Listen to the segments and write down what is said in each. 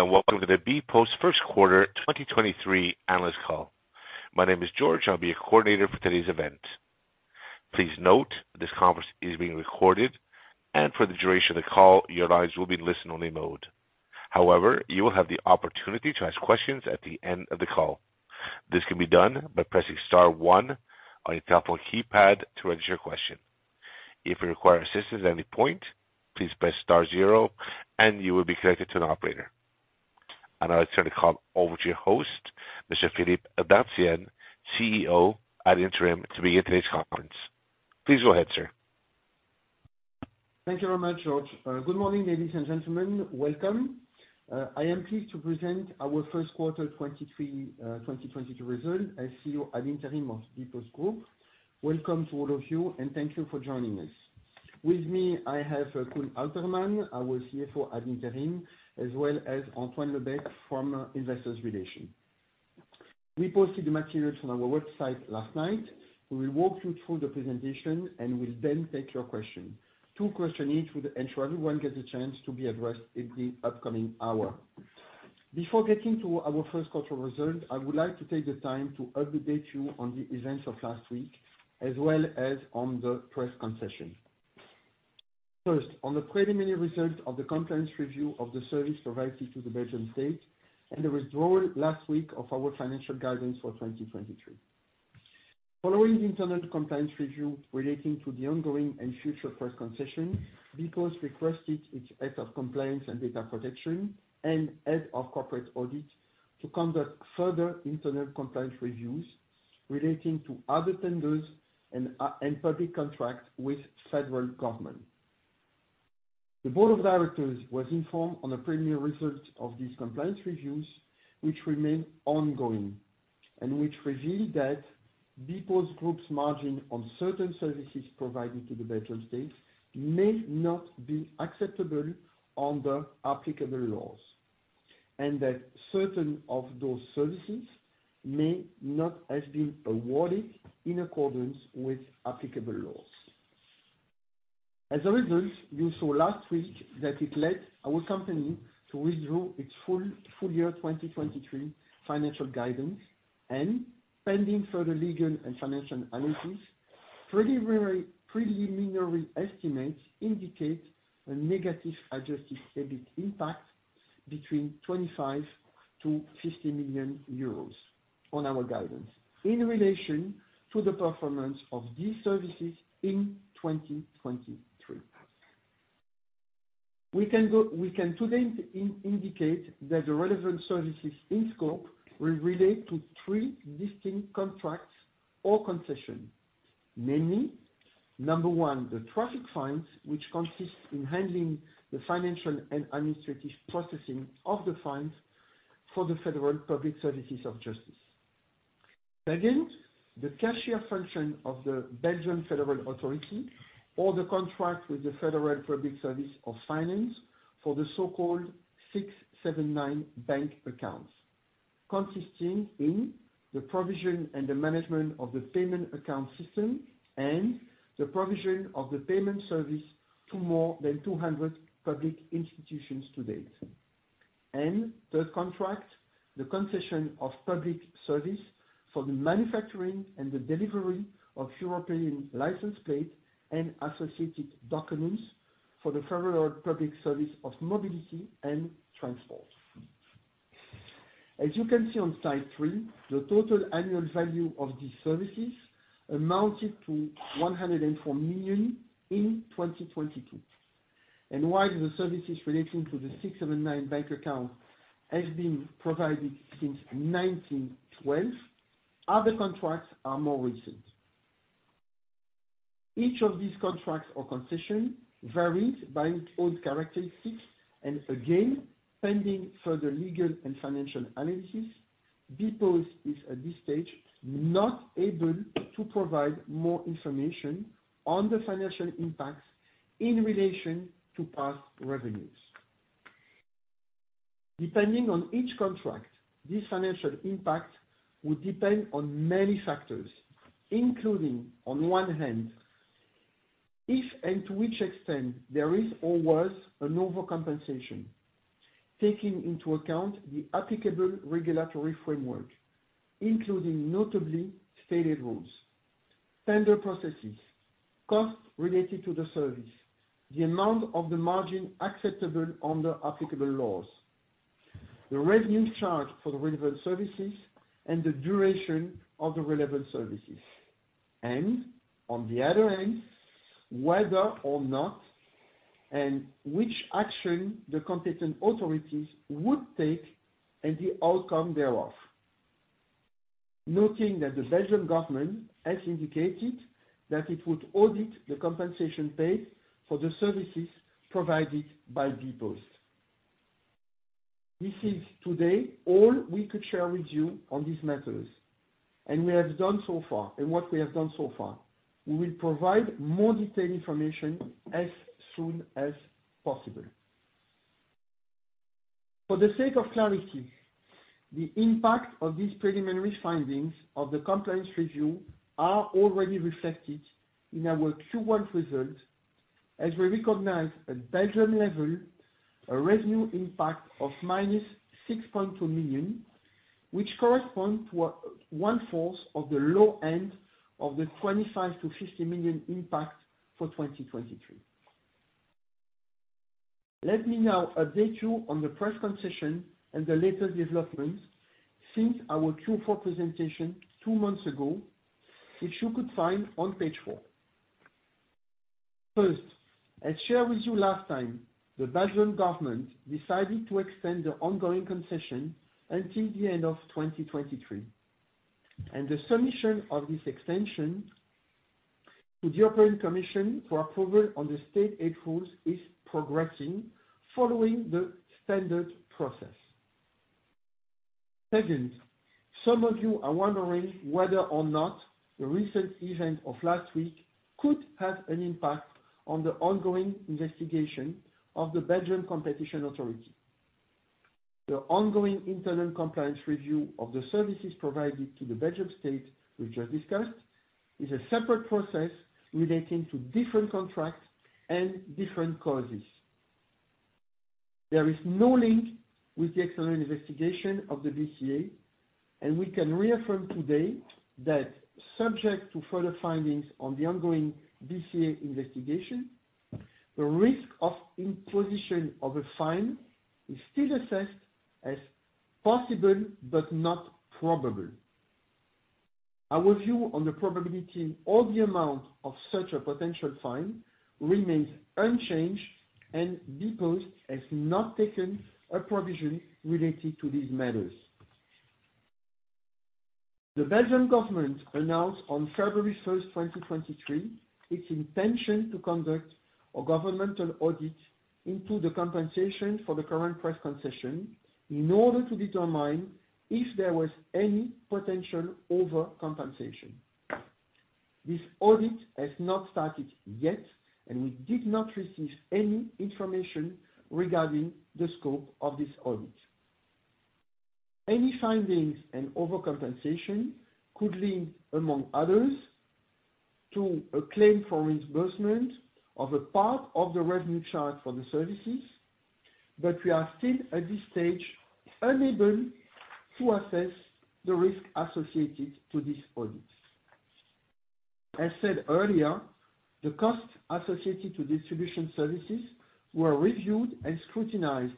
Welcome to the bpost First Quarter 2023 Analyst Call. My name is George, I'll be your coordinator for today's event. Please note, this conference is being recorded, and for the duration of the call, your lines will be in listen-only mode. However, you will have the opportunity to ask questions at the end of the call. This can be done by pressing star one on your telephone keypad to register your question. If you require assistance at any point, please press star zero and you will be connected to an operator. I'll turn the call over to your host, Mr. Philippe Dartienne, CEO ad interim, to begin today's conference. Please go ahead, sir. Thank you very much, George. Good morning, ladies and gentlemen. Welcome. I am pleased to present our First Quarter 2023 Result as CEO ad interim of bpostgroup. Welcome to all of you, and thank you for joining us. With me, I have Koen Aelterman, our CFO ad interim, as well as Antoine Lebecq from Investor Relations. We posted the materials on our website last night. We will walk you through the presentation and we'll then take your questions. Two questions each will ensure everyone gets a chance to be addressed in the upcoming hour. Before getting to our first quarter results, I would like to take the time to update you on the events of last week, as well as on the press concession. On the preliminary results of the compliance review of the service provided to the Belgian State and the withdrawal last week of our financial guidance for 2023. Following the internal compliance review relating to the ongoing and future press concession, bpost requested its head of compliance and data protection, and head of corporate audit to conduct further internal compliance reviews relating to other tenders and public contracts with Federal Government. The board of directors was informed on the preliminary results of these compliance reviews, which remain ongoing, and which revealed that bpostgroup's margin on certain services provided to the Belgian State may not be acceptable under applicable laws, and that certain of those services may not have been awarded in accordance with applicable laws. As a result, you saw last week that it led our company to withdraw its full year 2023 financial guidance and, pending further legal and financial analysis, preliminary estimates indicate a negative adjusted EBIT impact between 25 million-50 million euros on our guidance in relation to the performance of these services in 2023. We can today indicate that the relevant services in scope will relate to three distinct contracts or concessions. Namely, number 1, the traffic fines, which consists in handling the financial and administrative processing of the fines for the Federal Public Services of Justice. Second, the cashier function of the Belgian Federal Authority, or the contract with the Federal Public Service of Finance for the so-called 679 bank accounts, consisting in the provision and the management of the payment account system and the provision of the payment service to more than 200 public institutions to date. Third contract, the concession of public service for the manufacturing and the delivery of European license plate and associated documents for the Federal Public Service of Mobility and Transport. As you can see on Slide 3, the total annual value of these services amounted to 104 million in 2022. While the services relating to the 679 bank account has been provided since 1912, other contracts are more recent. Each of these contracts or concession varies by its own characteristics. Pending further legal and financial analysis, bpost is at this stage not able to provide more information on the financial impacts in relation to past revenues. Depending on each contract, this financial impact would depend on many factors, including on one hand, if and to which extent there is or was an overcompensation, taking into account the applicable regulatory framework, including notably State Aid rules. Tender processes, costs related to the service, the amount of the margin acceptable under applicable laws, the revenue charged for the relevant services and the duration of the relevant services. On the other hand, whether or not and which action the competent authorities would take and the outcome thereof. Noting that the Belgian government has indicated that it would audit the compensation paid for the services provided by bpost. This is today all we could share with you on these matters, and what we have done so far. We will provide more detailed information as soon as possible. For the sake of clarity. The impact of these preliminary findings of the compliance review are already reflected in our Q1 results, as we recognize at Belgium level a revenue impact of minus 6.2 million, which correspond to one fourth of the low end of the 25 million-50 million impact for 2023. Let me now update you on the press concession and the latest developments since our Q4 presentation two months ago, which you could find on Page 4. First, I share with you last time the Belgian government decided to extend the ongoing concession until the end of 2023. The submission of this extension to the European Commission for approval on the State Aid rules is progressing following the standard process. Second, some of you are wondering whether or not the recent event of last week could have an impact on the ongoing investigation of the Belgian Competition Authority. The ongoing internal compliance review of the services provided to the Belgian State, which I discussed, is a separate process relating to different contracts and different causes. There is no link with the external investigation of the BCA. We can reaffirm today that subject to further findings on the ongoing BCA investigation, the risk of imposition of a fine is still assessed as possible, but not probable. Our view on the probability or the amount of such a potential fine remains unchanged. bpost has not taken a provision related to these matters. The Belgian government announced on February 1st, 2023, its intention to conduct a governmental audit into the compensation for the current press concession in order to determine if there was any potential overcompensation. This audit has not started yet. We did not receive any information regarding the scope of this audit. Any findings and overcompensation could lead, among others, to a claim for reimbursement of a part of the revenue chart for the services. We are still, at this stage, unable to assess the risk associated to these audits. As said earlier, the costs associated to distribution services were reviewed and scrutinized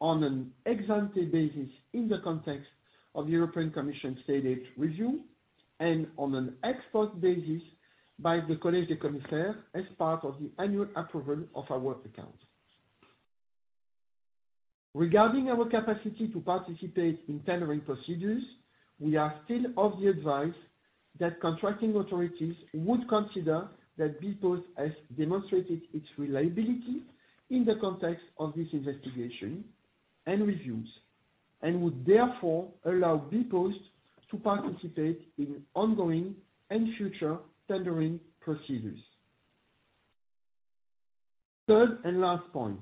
on an ex-ante basis in the context of European Commission State Aid review and on an ex-post basis by the Collège des Commissaires as part of the annual approval of our accounts. Regarding our capacity to participate in tendering procedures, we are still of the advice that contracting authorities would consider that bpost has demonstrated its reliability in the context of this investigation and reviews, and would therefore allow bpost to participate in ongoing and future tendering procedures. Third and last point,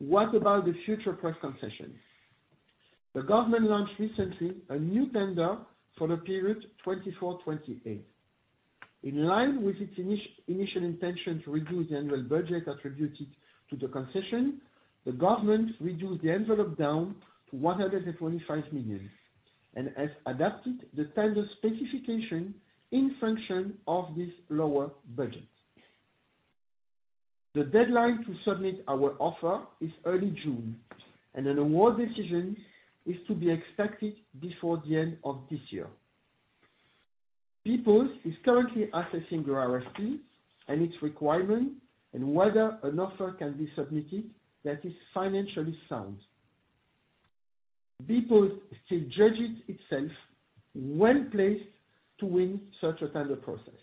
what about the future press concessions? The government launched recently a new tender for the period 2024-2028. In line with its initial intention to reduce the annual budget attributed to the concession, the government reduced the envelope down to 125 million and has adapted the tender specification in function of this lower budget. The deadline to submit our offer is early June, and an award decision is to be expected before the end of this year. bpost is currently assessing the RFP and its requirement and whether an offer can be submitted that is financially sound. bpost still judges itself well-placed to win such a tender process.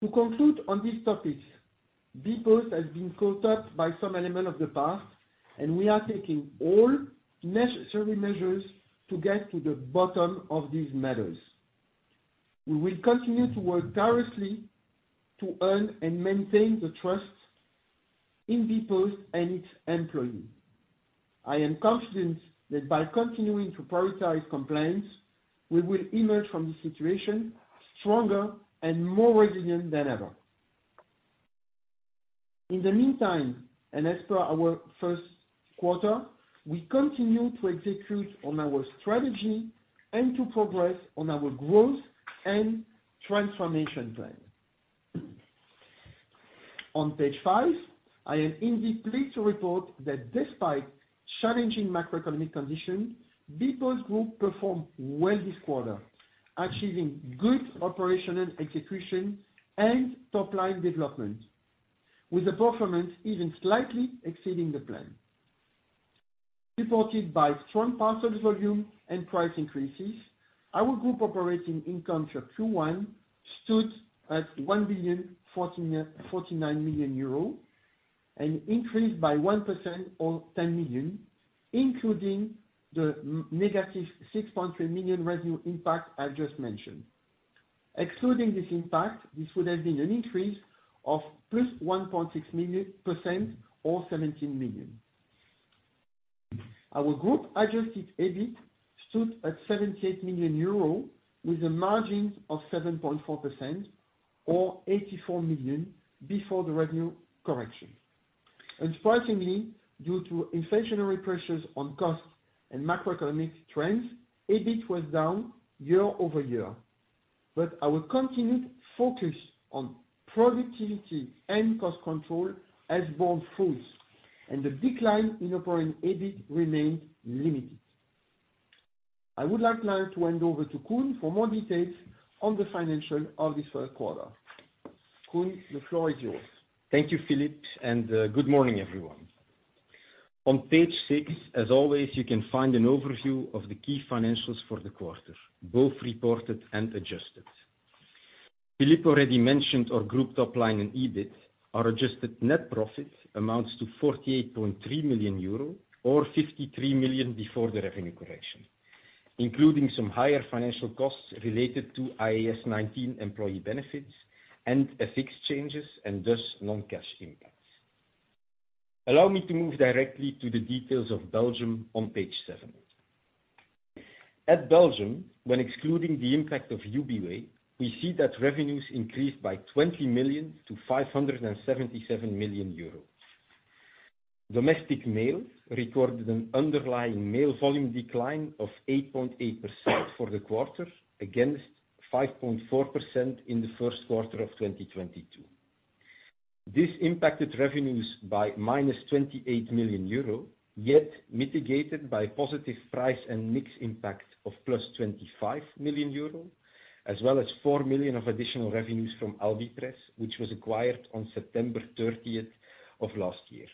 To conclude on this topic, bpost has been caught up by some elements of the past, we are taking all necessary measures to get to the bottom of these matters. We will continue to work tirelessly to earn and maintain the trust in bpost and its employees. I am confident that by continuing to prioritize compliance, we will emerge from this situation stronger and more resilient than ever. In the meantime, and as per our first quarter, we continue to execute on our strategy and to progress on our growth and transformation plan. On Page 5, I am indeed pleased to report that despite challenging macroeconomic conditions, bpost Group performed well this quarter, achieving good operational execution and top-line development, with the performance even slightly exceeding the plan. Supported by strong parcels volume and price increases, our group operating income for Q1 stood at 1,049 million euro, an increase by 1% or 10 million, including the negative 6.3 million revenue impact I just mentioned. Excluding this impact, this would have been an increase of +1.6 million % or 17 million. Our group adjusted EBIT stood at 78 million euro with a margin of 7.4% or 84 million before the revenue correction. Unfortunately, due to inflationary pressures on costs and macroeconomic trends, EBIT was down year-over-year. Our continued focus on productivity and cost control has borne fruit, and the decline in operating EBIT remains limited. I would like now to hand over to Koen for more details on the financial of this first quarter. Koen, the floor is yours. Thank you, Philippe. Good morning, everyone. On Page 6, as always, you can find an overview of the key financials for the quarter, both reported and adjusted. Philippe already mentioned our group top line in EBIT. Our adjusted net profit amounts to 48.3 million euro or 53 million before the revenue correction, including some higher financial costs related to IAS 19 employee benefits and FX changes, thus non-cash impacts. Allow me to move directly to the details of Belgium on Page 7. At Belgium, when excluding the impact of Ubiway, we see that revenues increased by 20 million to 577 million euros. Domestic mails recorded an underlying mail volume decline of 8.8% for the quarter, against 5.4% in the first quarter of 2022. This impacted revenues by minus 28 million euro, yet mitigated by positive price and mix impact of plus 25 million euro, as well as 4 million EUR of additional revenues from Aldipress, which was acquired on September 30th of last year.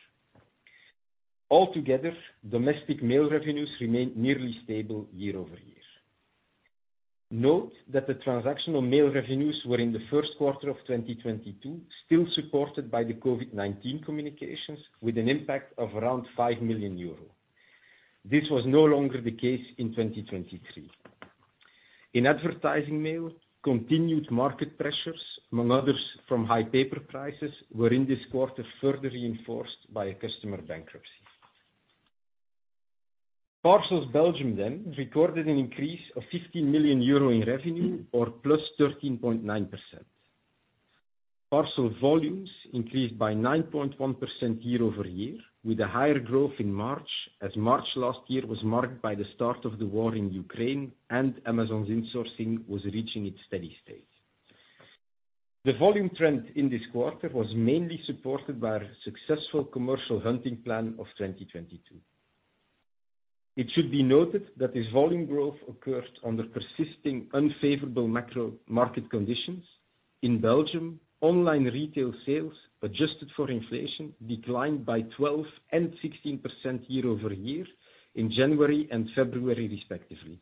Altogether, domestic mail revenues remained nearly stable year-over-year. Note that the transactional mail revenues were in the first quarter of 2022, still supported by the COVID-19 communications, with an impact of around 5 million euros. This was no longer the case in 2023. In advertising mail, continued market pressures, among others from high paper prices, were in this quarter further reinforced by a customer bankruptcy. Parcels Belgium recorded an increase of 15 million euro in revenue or plus 13.9%. Parcel volumes increased by 9.1% year-over-year, with a higher growth in March, as March last year was marked by the start of the war in Ukraine and Amazon's insourcing was reaching its steady state. The volume trend in this quarter was mainly supported by our successful Commercial Hunting Plan of 2022. It should be noted that this volume growth occurred under persisting unfavorable macro market conditions. In Belgium, online retail sales, adjusted for inflation, declined by 12% and 16% year-over-year in January and February, respectively.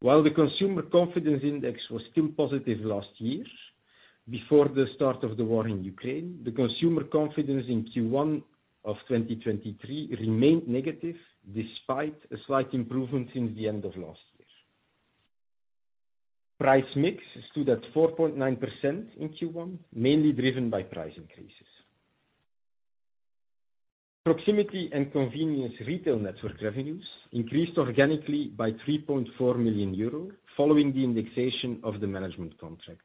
While the consumer confidence index was still positive last year, before the start of the war in Ukraine, the consumer confidence in Q1 of 2023 remained negative, despite a slight improvement since the end of last year. Price mix stood at 4.9% in Q1, mainly driven by price increases. Proximity and convenience retail network revenues increased organically by 3.4 million euros following the indexation of the management contract.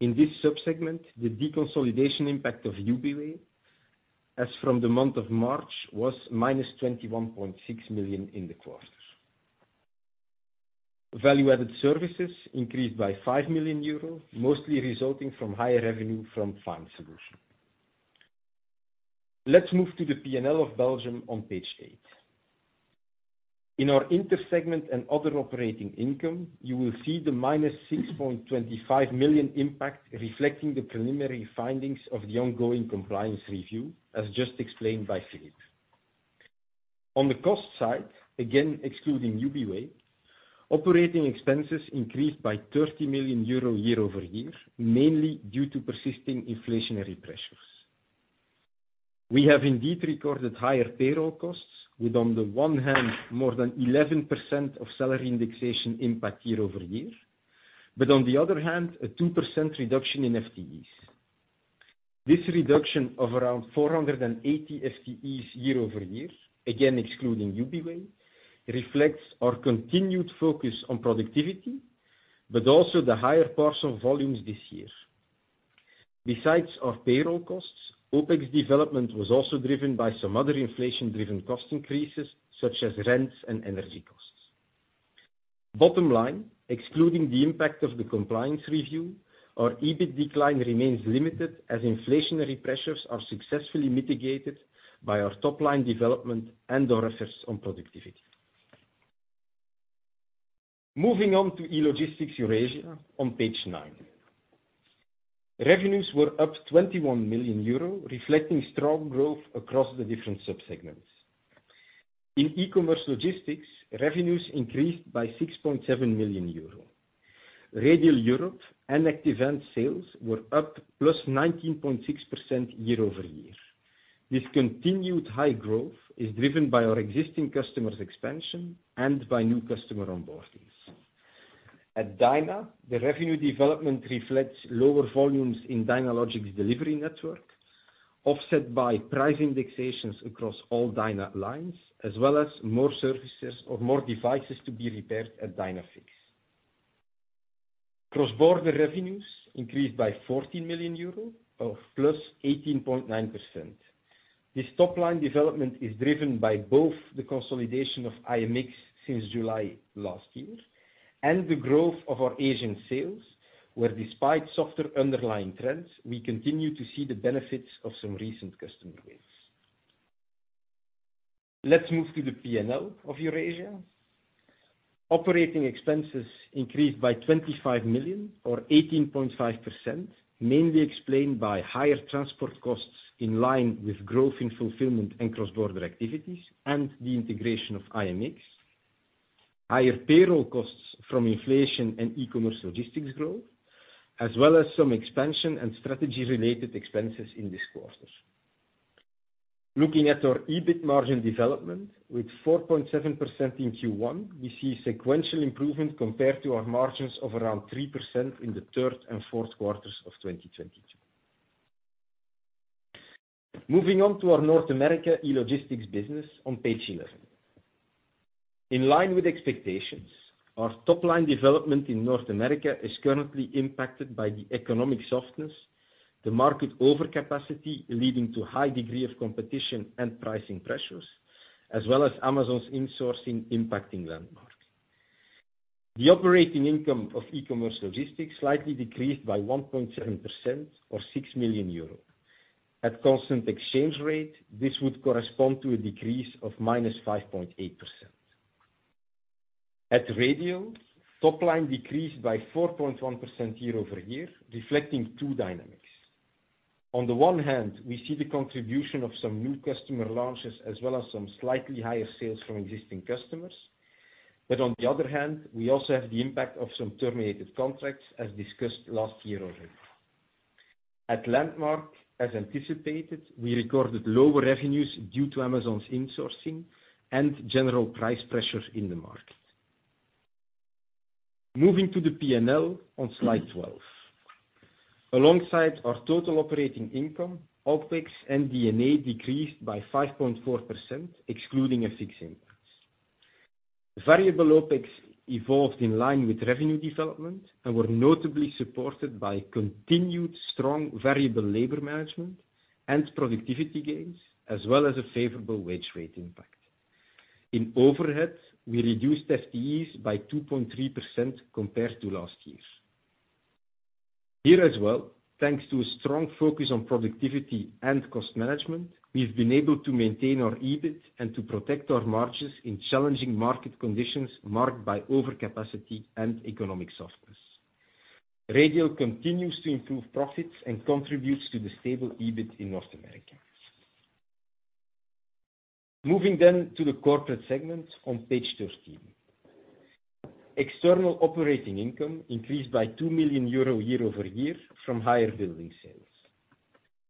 In this subsegment, the deconsolidation impact of Ubiway, as from the month of March, was -21.6 million in the quarter. Value-added services increased by 5 million euro, mostly resulting from higher revenue from Fines solution. Let's move to the PNL of Belgium on Page 8. In our intersegment and other operating income, you will see the -6.25 million impact reflecting the preliminary findings of the ongoing compliance review, as just explained by Philippe. On the cost side, again excluding Ubiway, operating expenses increased by 30 million euro year-over-year, mainly due to persisting inflationary pressures. We have indeed recorded higher payroll costs with, on the one hand, more than 11% of salary indexation impact year-over-year, on the other hand, a 2% reduction in FTEs. This reduction of around 480 FTEs year-over-year, again excluding Ubiway, reflects our continued focus on productivity, also the higher parcel volumes this year. Besides our payroll costs, OpEx development was also driven by some other inflation-driven cost increases, such as rents and energy costs. Bottom line, excluding the impact of the compliance review, our EBIT decline remains limited as inflationary pressures are successfully mitigated by our top-line development and our efforts on productivity. Moving on to E-Logistics Eurasia on Page 9. Revenues were up 21 million euro, reflecting strong growth across the different subsegments. In e-commerce logistics, revenues increased by 6.7 million euro. Radial Europe and Active Ants sales were up +19.6% year-over-year. This continued high growth is driven by our existing customers expansion and by new customer onboardings. At Dyna, the revenue development reflects lower volumes in Dynalogic's delivery network, offset by price indexations across all Dyna lines, as well as more services or more devices to be repaired at Dynafix. Cross-border revenues increased by 14 million euros or +18.9%. This top line development is driven by both the consolidation of IMX since July last year and the growth of our Asian sales, where despite softer underlying trends, we continue to see the benefits of some recent customer wins. Let's move to the P&L of Eurasia. Operating expenses increased by 25 million or 18.5%, mainly explained by higher transport costs in line with growth in fulfillment and cross-border activities and the integration of IMX. Higher payroll costs from inflation and e-commerce logistics growth, as well as some expansion and strategy-related expenses in this quarter. Looking at our EBIT margin development with 4.7% in Q1, we see sequential improvement compared to our margins of around 3% in the third and fourth quarters of 2022. Moving on to our North America e-logistics business on Page 11. In line with expectations, our top line development in North America is currently impacted by the economic softness, the market overcapacity leading to high degree of competition and pricing pressures, as well as Amazon's insourcing impacting Landmark. The operating income of e-commerce logistics slightly decreased by 1.7% or 6 million euro. At constant exchange rate, this would correspond to a decrease of -5.8%. At Radial, top line decreased by 4.1% year-over-year, reflecting two dynamics. On the one hand, we see the contribution of some new customer launches as well as some slightly higher sales from existing customers. On the other hand, we also have the impact of some terminated contracts as discussed last year already. At Landmark, as anticipated, we recorded lower revenues due to Amazon's insourcing and general price pressures in the market. Moving to the P&L on Slide 12. Alongside our total operating income, OpEx and D&A decreased by 5.4% excluding FX impacts. Variable OpEx evolved in line with revenue development and were notably supported by continued strong variable labor management and productivity gains, as well as a favorable wage rate impact. In overhead, we reduced FTEs by 2.3% compared to last year. Here as well, thanks to a strong focus on productivity and cost management, we've been able to maintain our EBIT and to protect our margins in challenging market conditions marked by overcapacity and economic softness. Radial continues to improve profits and contributes to the stable EBIT in North America. Moving then to the corporate segment on Page 13. External operating income increased by 2 million euro year-over-year from higher building sales.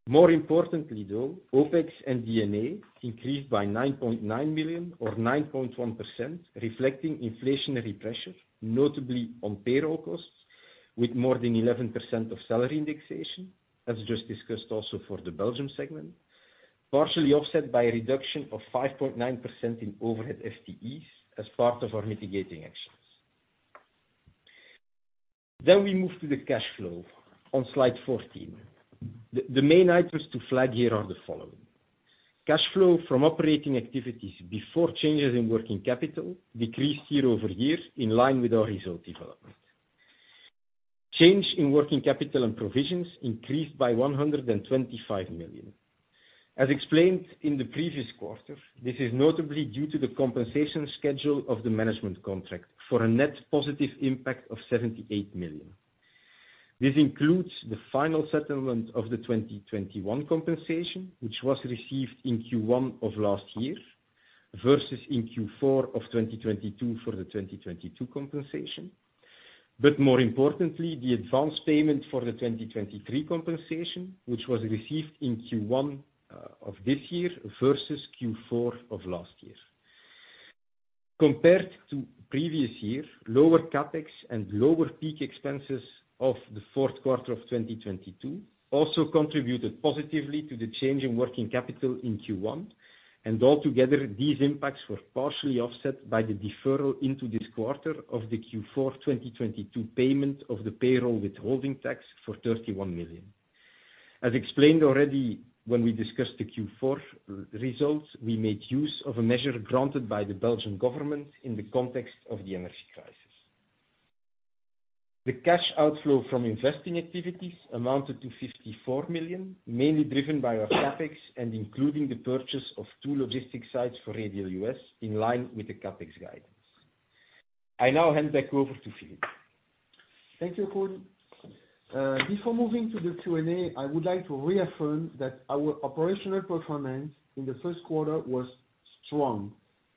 More importantly, though, OpEx and D&A increased by 9.9 million or 9.1%, reflecting inflationary pressure, notably on payroll costs, with more than 11% of salary indexation, as just discussed also for the Belgium segment, partially offset by a reduction of 5.9% in overhead FTEs as part of our mitigating actions. We move to the cash flow on Slide 14. The main items to flag here are the following. Cash flow from operating activities before changes in working capital decreased year-over-year in line with our result development. Change in working capital and provisions increased by 125 million. As explained in the previous quarter, this is notably due to the compensation schedule of the management contract for a net positive impact of 78 million. This includes the final settlement of the 2021 compensation, which was received in Q1 of 2022, versus in Q4 of 2022 for the 2022 compensation. More importantly, the advance payment for the 2023 compensation, which was received in Q1 of 2023 versus Q4 of 2022. Compared to previous year, lower CapEx and lower peak expenses of the fourth quarter of 2022 also contributed positively to the change in working capital in Q1. Altogether, these impacts were partially offset by the deferral into this quarter of the Q4 2022 payment of the payroll withholding tax for 31 million. As explained already when we discussed the Q4 re-results, we made use of a measure granted by the Belgian government in the context of the energy crisis. The cash outflow from investing activities amounted to 54 million, mainly driven by our CapEx and including the purchase of two logistic sites for Radial US in line with the CapEx guidance. I now hand back over to Philippe. Thank you, Koen. Before moving to the Q&A, I would like to reaffirm that our operational performance in the first quarter was strong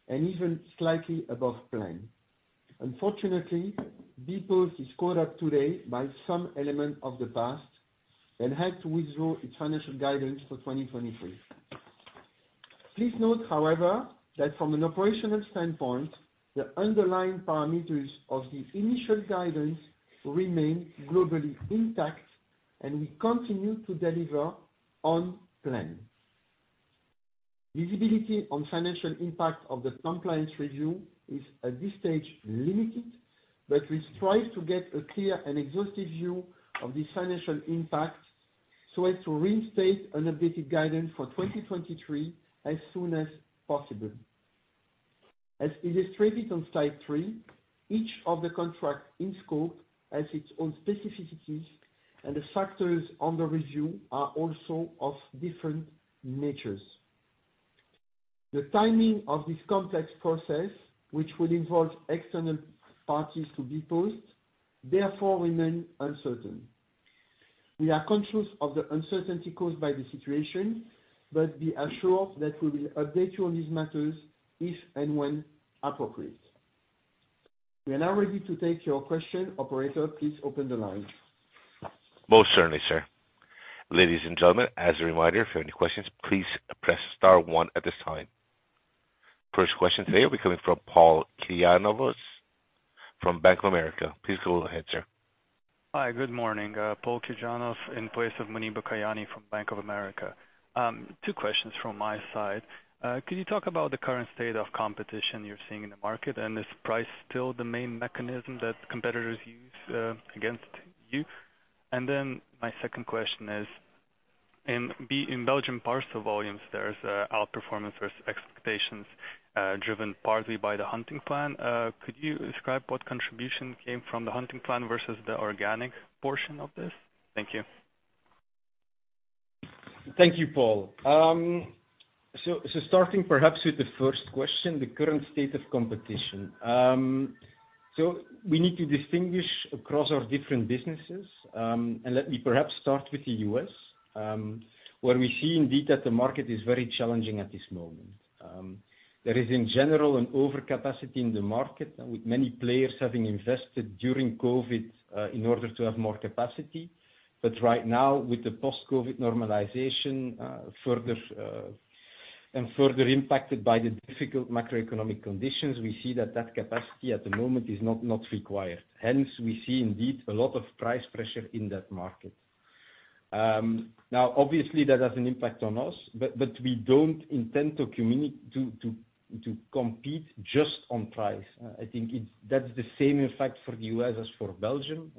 and even slightly above plan. Unfortunately, bpost is caught up today by some element of the past and had to withdraw its financial guidance for 2023. Please note, however, that from an operational standpoint, the underlying parameters of the initial guidance remain globally intact, and we continue to deliver on plan. Visibility on financial impact of the compliance review is at this stage limited, but we strive to get a clear and exhaustive view of the financial impact so as to reinstate an updated guidance for 2023 as soon as possible. As illustrated on Slide 3, each of the contracts in scope has its own specificities, and the factors on the review are also of different natures. The timing of this complex process, which will involve external parties to bpost, therefore remain uncertain. We are conscious of the uncertainty caused by the situation, but be assured that we will update you on these matters if and when appropriate. We are now ready to take your question. Operator, please open the line. Most certainly, sir. Ladies and gentlemen, as a reminder, if you have any questions, please press star one at this time. First question today will be coming from Paul Kijianowski[Kianovos] from Bank of America. Please go ahead, sir. Hi, good morning. Paul Kijianowski[Kianovos] in place of Muniba Khan from Bank of America. two questions from my side. Could you talk about the current state of competition you're seeing in the market, and is price still the main mechanism that competitors use against you? My second question is, in Belgium parcel volumes, there's outperformance versus expectations, driven partly by the hunting plan. Could you describe what contribution came from the hunting plan versus the organic portion of this? Thank you. Thank you, Paul. Starting perhaps with the first question, the current state of competition. We need to distinguish across our different businesses, and let me perhaps start with the U.S., where we see indeed that the market is very challenging at this moment. There is in general, an overcapacity in the market with many players having invested during COVID, in order to have more capacity. Right now, with the post-COVID normalization, further, and further impacted by the difficult macroeconomic conditions, we see that that capacity at the moment is not required. Hence, we see indeed a lot of price pressure in that market. Obviously that has an impact on us, but we don't intend to compete just on price. I think that's the same effect for the US as for Belgium.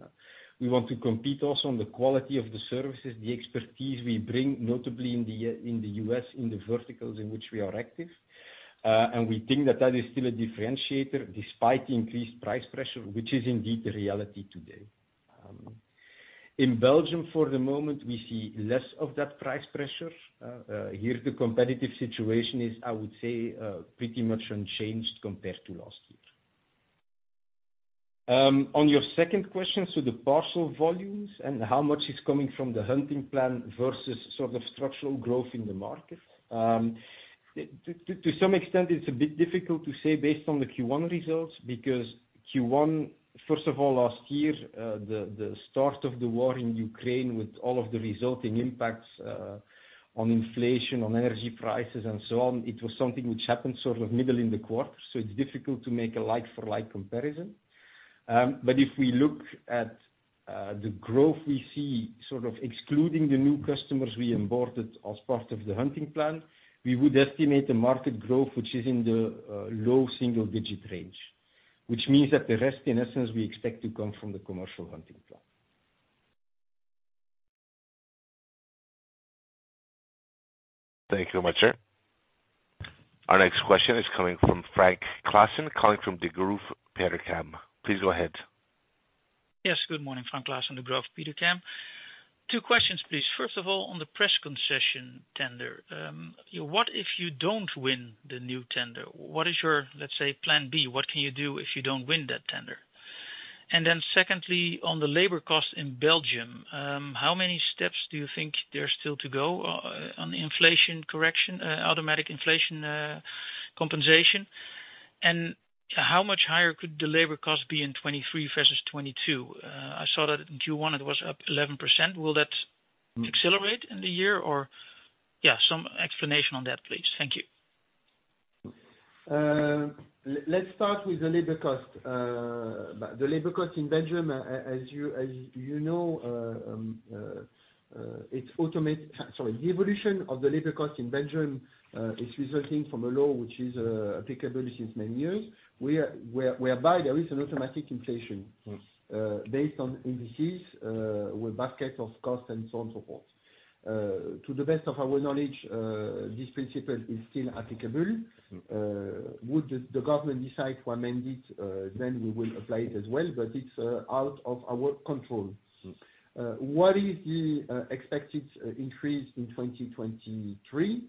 We want to compete also on the quality of the services, the expertise we bring, notably in the US, in the verticals in which we are active. We think that that is still a differentiator despite the increased price pressure, which is indeed the reality today. In Belgium for the moment, we see less of that price pressure. Here the competitive situation is, I would say, pretty much unchanged compared to last year. On your second question, the parcel volumes and how much is coming from the hunting plan versus sort of structural growth in the market. To some extent it's a bit difficult to say based on the Q1 results because Q1, first of all, last year, the start of the war in Ukraine with all of the resulting impacts, on inflation, on energy prices and so on, it was something which happened sort of middle in the quarter, so it's difficult to make a like for like comparison. If we look at the growth we see, sort of excluding the new customers we onboarded as part of the Commercial Hunting Plan, we would estimate the market growth, which is in the low-single-digit range, which means that the rest in essence, we expect to come from the Commercial Hunting Plan. Thank you very much, sir. Our next question is coming from Frank Claassen, calling from Degroof Petercam. Please go ahead. Yes, good morning, Frank Claassen, Degroof Petercam. Two questions please. First of all, on the press concession tender, what if you don't win the new tender? What is your, let's say, plan B? What can you do if you don't win that tender? Secondly, on the labor cost in Belgium, how many steps do you think there are still to go on the inflation correction, automatic inflation compensation? How much higher could the labor cost be in 2023 versus 2022? I saw that in Q1 it was up 11%. Will that accelerate in the year or? Yeah, some explanation on that please. Thank you. Let's start with the labor cost. The labor cost in Belgium, as you know, the evolution of the labor cost in Belgium is resulting from a law which is applicable since many years. whereby there is an automatic inflation- Yes. Based on indices, with basket of costs and so on, so forth. To the best of our knowledge, this principle is still applicable. Yes. would the government decide to amend it, then we will apply it as well, but it's out of our control. Yes. What is the expected increase in 2023?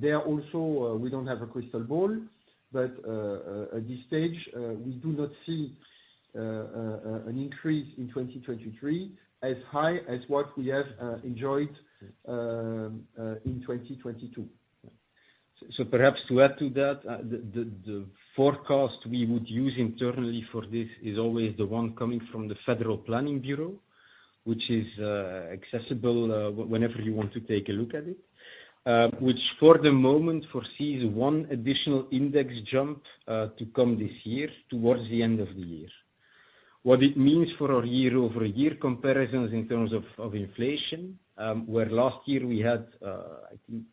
There also, we don't have a crystal ball, but at this stage, we do not see An increase in 2023 as high as what we have enjoyed in 2022. Perhaps to add to that, the forecast we would use internally for this is always the one coming from the Federal Planning Bureau, which is accessible whenever you want to take a look at it, which for the moment foresees one additional index jump to come this year towards the end of the year. What it means for our year-over-year comparisons in terms of inflation, where last year we had, I think,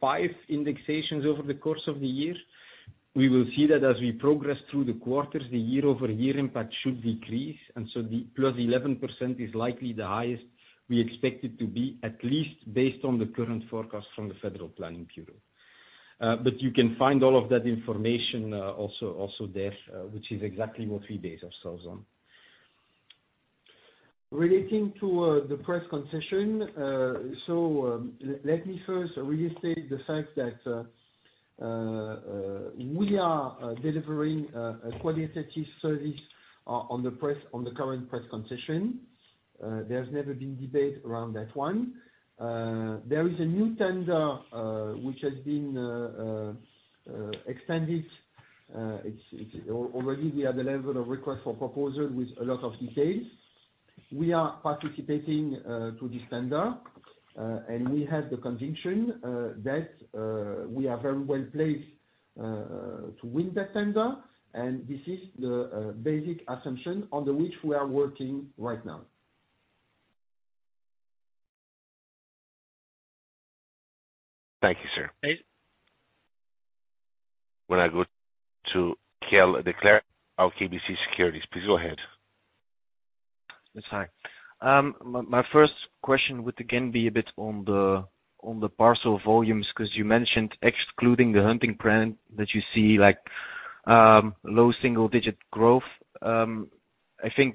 five indexations over the course of the year. We will see that as we progress through the quarters, the year-over-year impact should decrease, the plus 11% is likely the highest we expect it to be, at least based on the current forecast from the Federal Planning Bureau. You can find all of that information, also there, which is exactly what we base ourselves on. Relating to the press concession, let me first restate the fact that we are delivering a qualitative service on the current press concession. There's never been debate around that one. There is a new tender which has been extended. It's already we are the level of request for proposal with a lot of details. We are participating to this tender, and we have the conviction that we are very well placed to win that tender. This is the basic assumption under which we are working right now. Thank you, sir. Please. When I go to Chiel De Clercq of KBC Securities, please go ahead. It's fine. My first question would again be a bit on the parcel volumes, 'cause you mentioned excluding the hunting print that you see like low single digit growth. I think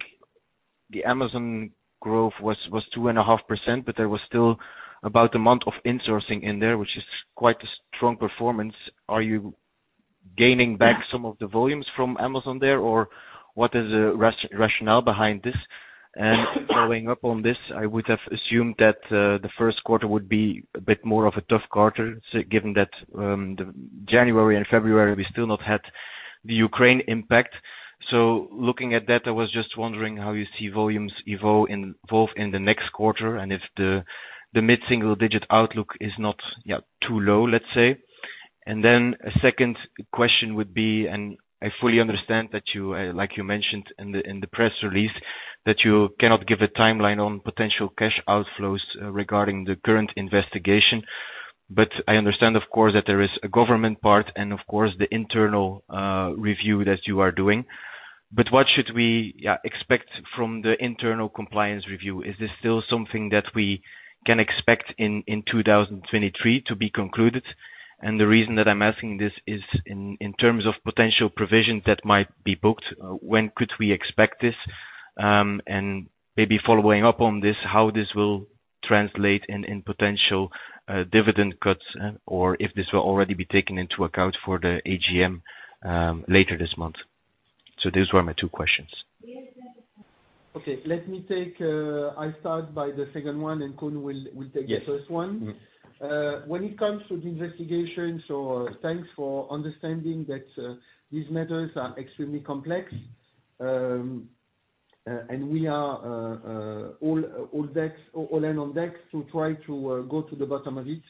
the Amazon growth was 2.5%, but there was still about a month of insourcing in there, which is quite a strong performance. Are you gaining back some of the volumes from Amazon there, or what is the rationale behind this? Following up on this, I would have assumed that the first quarter would be a bit more of a tough quarter, Given that, the January and February, we still not had the Ukraine impact. Looking at that, I was just wondering how you see volumes evolve in the next quarter, and if the mid-single digit outlook is not, yeah, too low, let's say. A second question would be, I fully understand that you, like you mentioned in the press release, that you cannot give a timeline on potential cash outflows regarding the current investigation. I understand, of course, that there is a government part and of course the internal review that you are doing. What should we, yeah, expect from the internal compliance review? Is this still something that we can expect in 2023 to be concluded? The reason that I'm asking this is in terms of potential provisions that might be booked, when could we expect this? Maybe following up on this, how this will translate in potential dividend cuts, or if this will already be taken into account for the AGM later this month. Those were my two questions. Okay. Let me take... I'll start by the second one, and Koen will take the first one. Yes. When it comes to the investigation, thanks for understanding that, these matters are extremely complex. We are, all decks, all in on decks to try to, go to the bottom of it.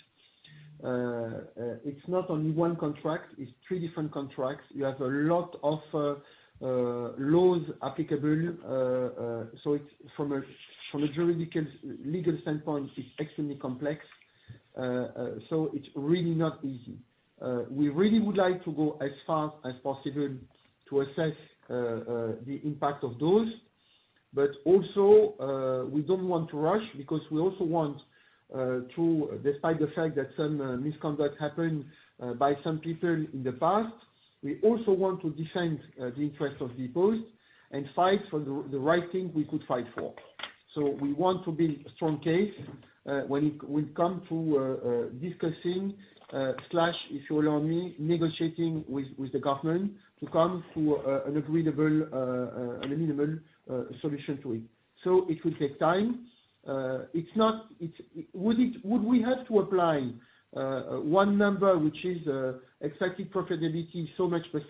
It's not only one contract, it's 3 different contracts. You have a lot of, laws applicable, so it's from a, from a juridical-legal standpoint, it's extremely complex. It's really not easy. We really would like to go as fast as possible to assess, the impact of those. Also, we don't want to rush because we also want, to... Despite the fact that some misconduct happened by some people in the past, we also want to defend the interest of bpost and fight for the right thing we could fight for. We want to build a strong case when it come to discussing slash, if you allow me, negotiating with the government to come to an agreeable solution to it. It will take time. It's not, we have to apply one number which is expected profitability so much %,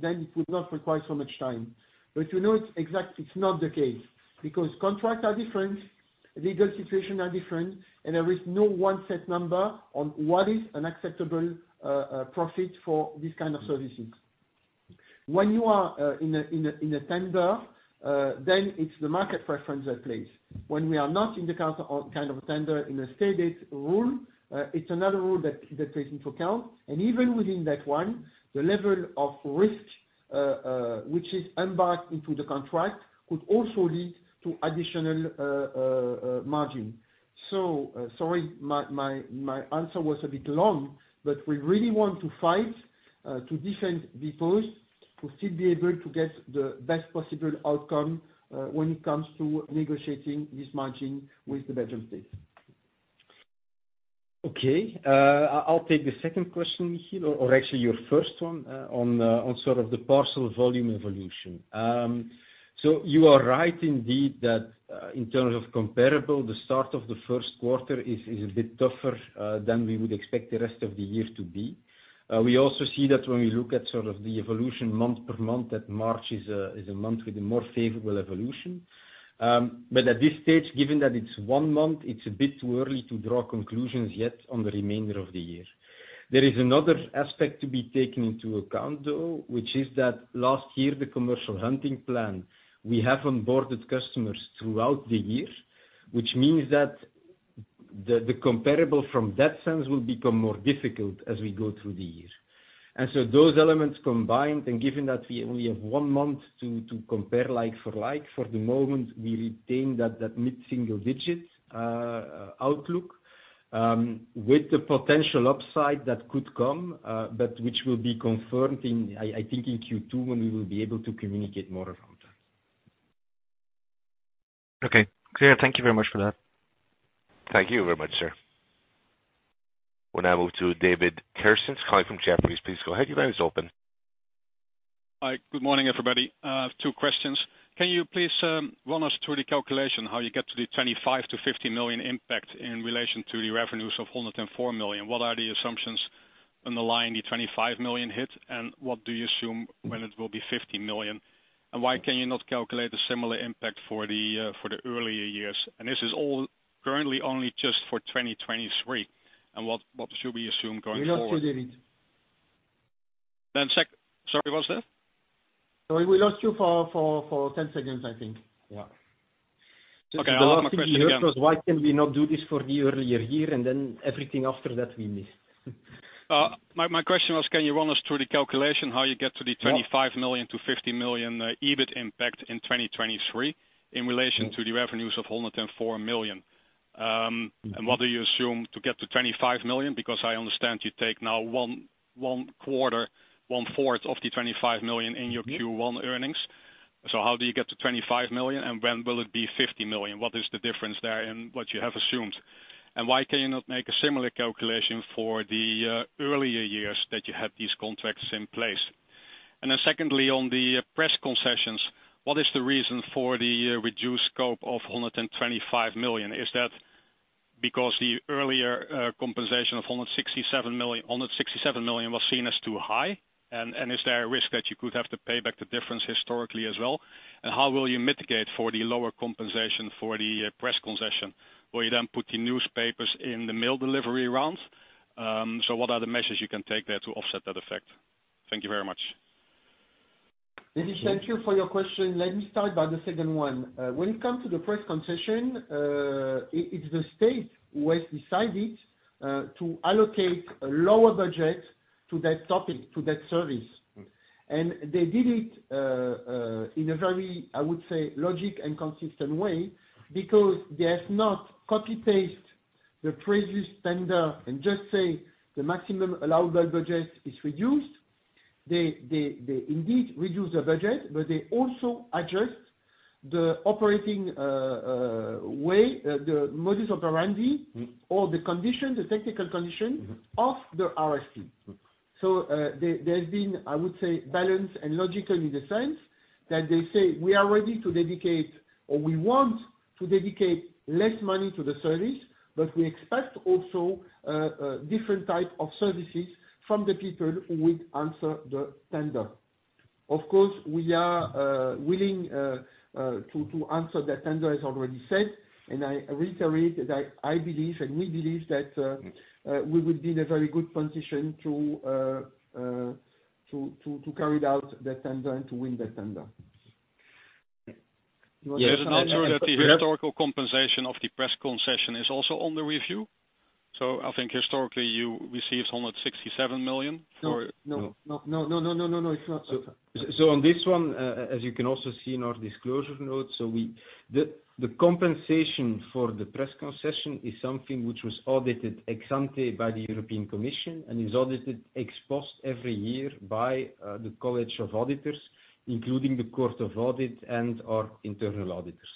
then it would not require so much time. you know, it's not the case because contracts are different, legal situations are different, and there is no one set number on what is an acceptable profit for these kind of services. When you are in a tender, then it's the market reference at place. When we are not in the kind of tender in a stated rule, it's another rule that takes into account. Even within that one, the level of risk which is embarked into the contract could also lead to additional margin. sorry, my answer was a bit long, but we really want to fight to defend bpost to still be able to get the best possible outcome when it comes to negotiating this margin with the Belgian state. Okay. I'll take the second question here, or actually your first one, on sort of the parcel volume evolution. You are right indeed that, in terms of comparable, the start of the first quarter is a bit tougher, than we would expect the rest of the year to be. We also see that when we look at sort of the evolution month per month, that March is a, is a month with a more favorable evolution. At this stage, given that it's one month, it's a bit too early to draw conclusions yet on the remainder of the year. There is another aspect to be taken into account though, which is that last year, the Commercial Hunting Plan, we have onboarded customers throughout the year, which means that the comparable from that sense will become more difficult as we go through the year. Those elements combined, and given that we only have one month to compare like for like, for the moment, we retain that mid-single digit outlook with the potential upside that could come, but which will be confirmed in, I think in Q2, when we will be able to communicate more around that. Okay, clear. Thank you very much for that. Thank you very much, sir. We'll now move to David Kerstens calling from Jefferies. Please go ahead, your line is open. Hi, good morning, everybody. Two questions. Can you please run us through the calculation, how you get to the 25 million-50 million impact in relation to the revenues of 104 million? What are the assumptions on the line, the 25 million hit? What do you assume when it will be 50 million? Why can you not calculate a similar impact for the for the earlier years? This is all currently only just for 2023. What should we assume going forward? We lost you, David. Sorry, what's that? We lost you for 10 seconds, I think. Yeah. Okay. I'll ask my question again. The last thing we heard was why can we not do this for the earlier year, and then everything after that we missed. My question was, can you run us through the calculation, how you get to the 25 million-50 million EBIT impact in 2023, in relation to the revenues of 104 million? What do you assume to get to 25 million? Because I understand you take now one-fourth of the 25 million in your Q1 earnings. How do you get to 25 million? When will it be 50 million? What is the difference there in what you have assumed? Why can you not make a similar calculation for the earlier years that you had these contracts in place? Secondly, on the press concessions, what is the reason for the reduced scope of 125 million? Is that because the earlier compensation of 167 million was seen as too high? Is there a risk that you could have to pay back the difference historically as well? How will you mitigate for the lower compensation for the press concession? Will you then put the newspapers in the mail delivery rounds? What are the measures you can take there to offset that effect? Thank you very much. David, thank you for your question. Let me start by the second one. When it comes to the press concession, it's the state who has decided to allocate a lower budget to that topic, to that service. Mm-hmm. They did it in a very, I would say, logic and consistent way because they have not copy-paste the previous tender and just say the maximum allowable budget is reduced. They indeed reduced the budget, but they also adjust the operating way, the modus operandi. Mm-hmm. The condition, the technical condition. Mm-hmm. Of the RFC. Mm-hmm. There's been, I would say, balanced and logical in the sense that they say, "We are ready to dedicate, or we want to dedicate less money to the service, but we expect also, different type of services from the people who would answer the tender." Of course, we are willing to answer the tender as already said. I reiterate that I believe and we believe that we would be in a very good position to carry out the tender and to win the tender. Is it now true that the historical compensation of the press concession is also under review? I think historically you received 167 million for- No, no, no, no, no, it's not. On this one, as you can also see in our disclosure notes, the compensation for the press concession is something which was audited ex ante by the European Commission and is audited ex post every year by the College of Auditors, including the Court of Audit and our internal auditors.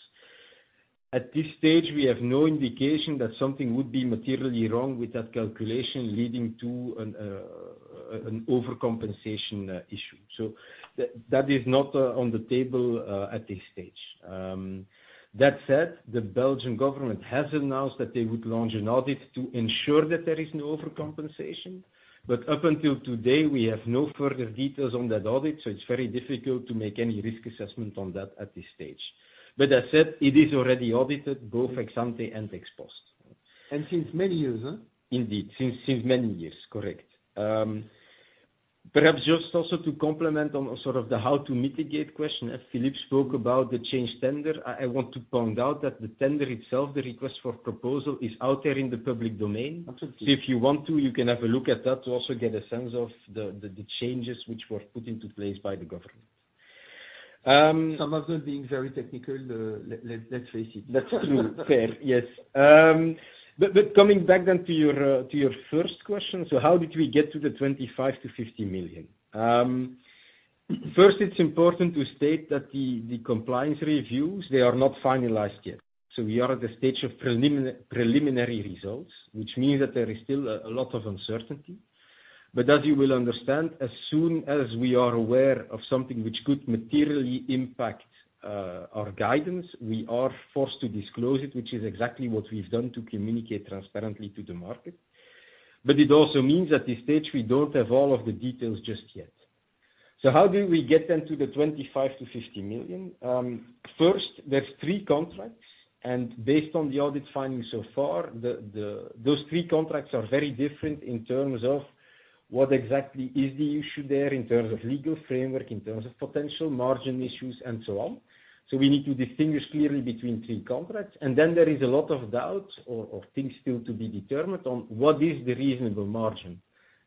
At this stage, we have no indication that something would be materially wrong with that calculation, leading to an overcompensation issue. That is not on the table at this stage. That said, the Belgian government has announced that they would launch an audit to ensure that there is no overcompensation. Up until today, we have no further details on that audit, so it's very difficult to make any risk assessment on that at this stage. As said, it is already audited, both ex ante and ex post. Since many years, huh? Indeed. Since many years. Correct. Perhaps just also to complement on sort of the how to mitigate question, as Philippe spoke about the changed tender, I want to point out that the tender itself, the request for proposal, is out there in the public domain. Absolutely. If you want to, you can have a look at that to also get a sense of the changes which were put into place by the government. Some of them being very technical, let's face it. That's true. Fair. Yes. Coming back then to your first question, how did we get to the 25 million-50 million? First, it's important to state that the compliance reviews, they are not finalized yet. We are at the stage of preliminary results, which means that there is still a lot of uncertainty. As you will understand, as soon as we are aware of something which could materially impact our guidance, we are forced to disclose it, which is exactly what we've done to communicate transparently to the market. It also means at this stage, we don't have all of the details just yet. How do we get then to the 25 million-50 million? First there's three contracts, and based on the audit findings so far, those three contracts are very different in terms of what exactly is the issue there in terms of legal framework, in terms of potential margin issues and so on. We need to distinguish clearly between three contracts. Then there is a lot of doubt or things still to be determined on what is the reasonable margin.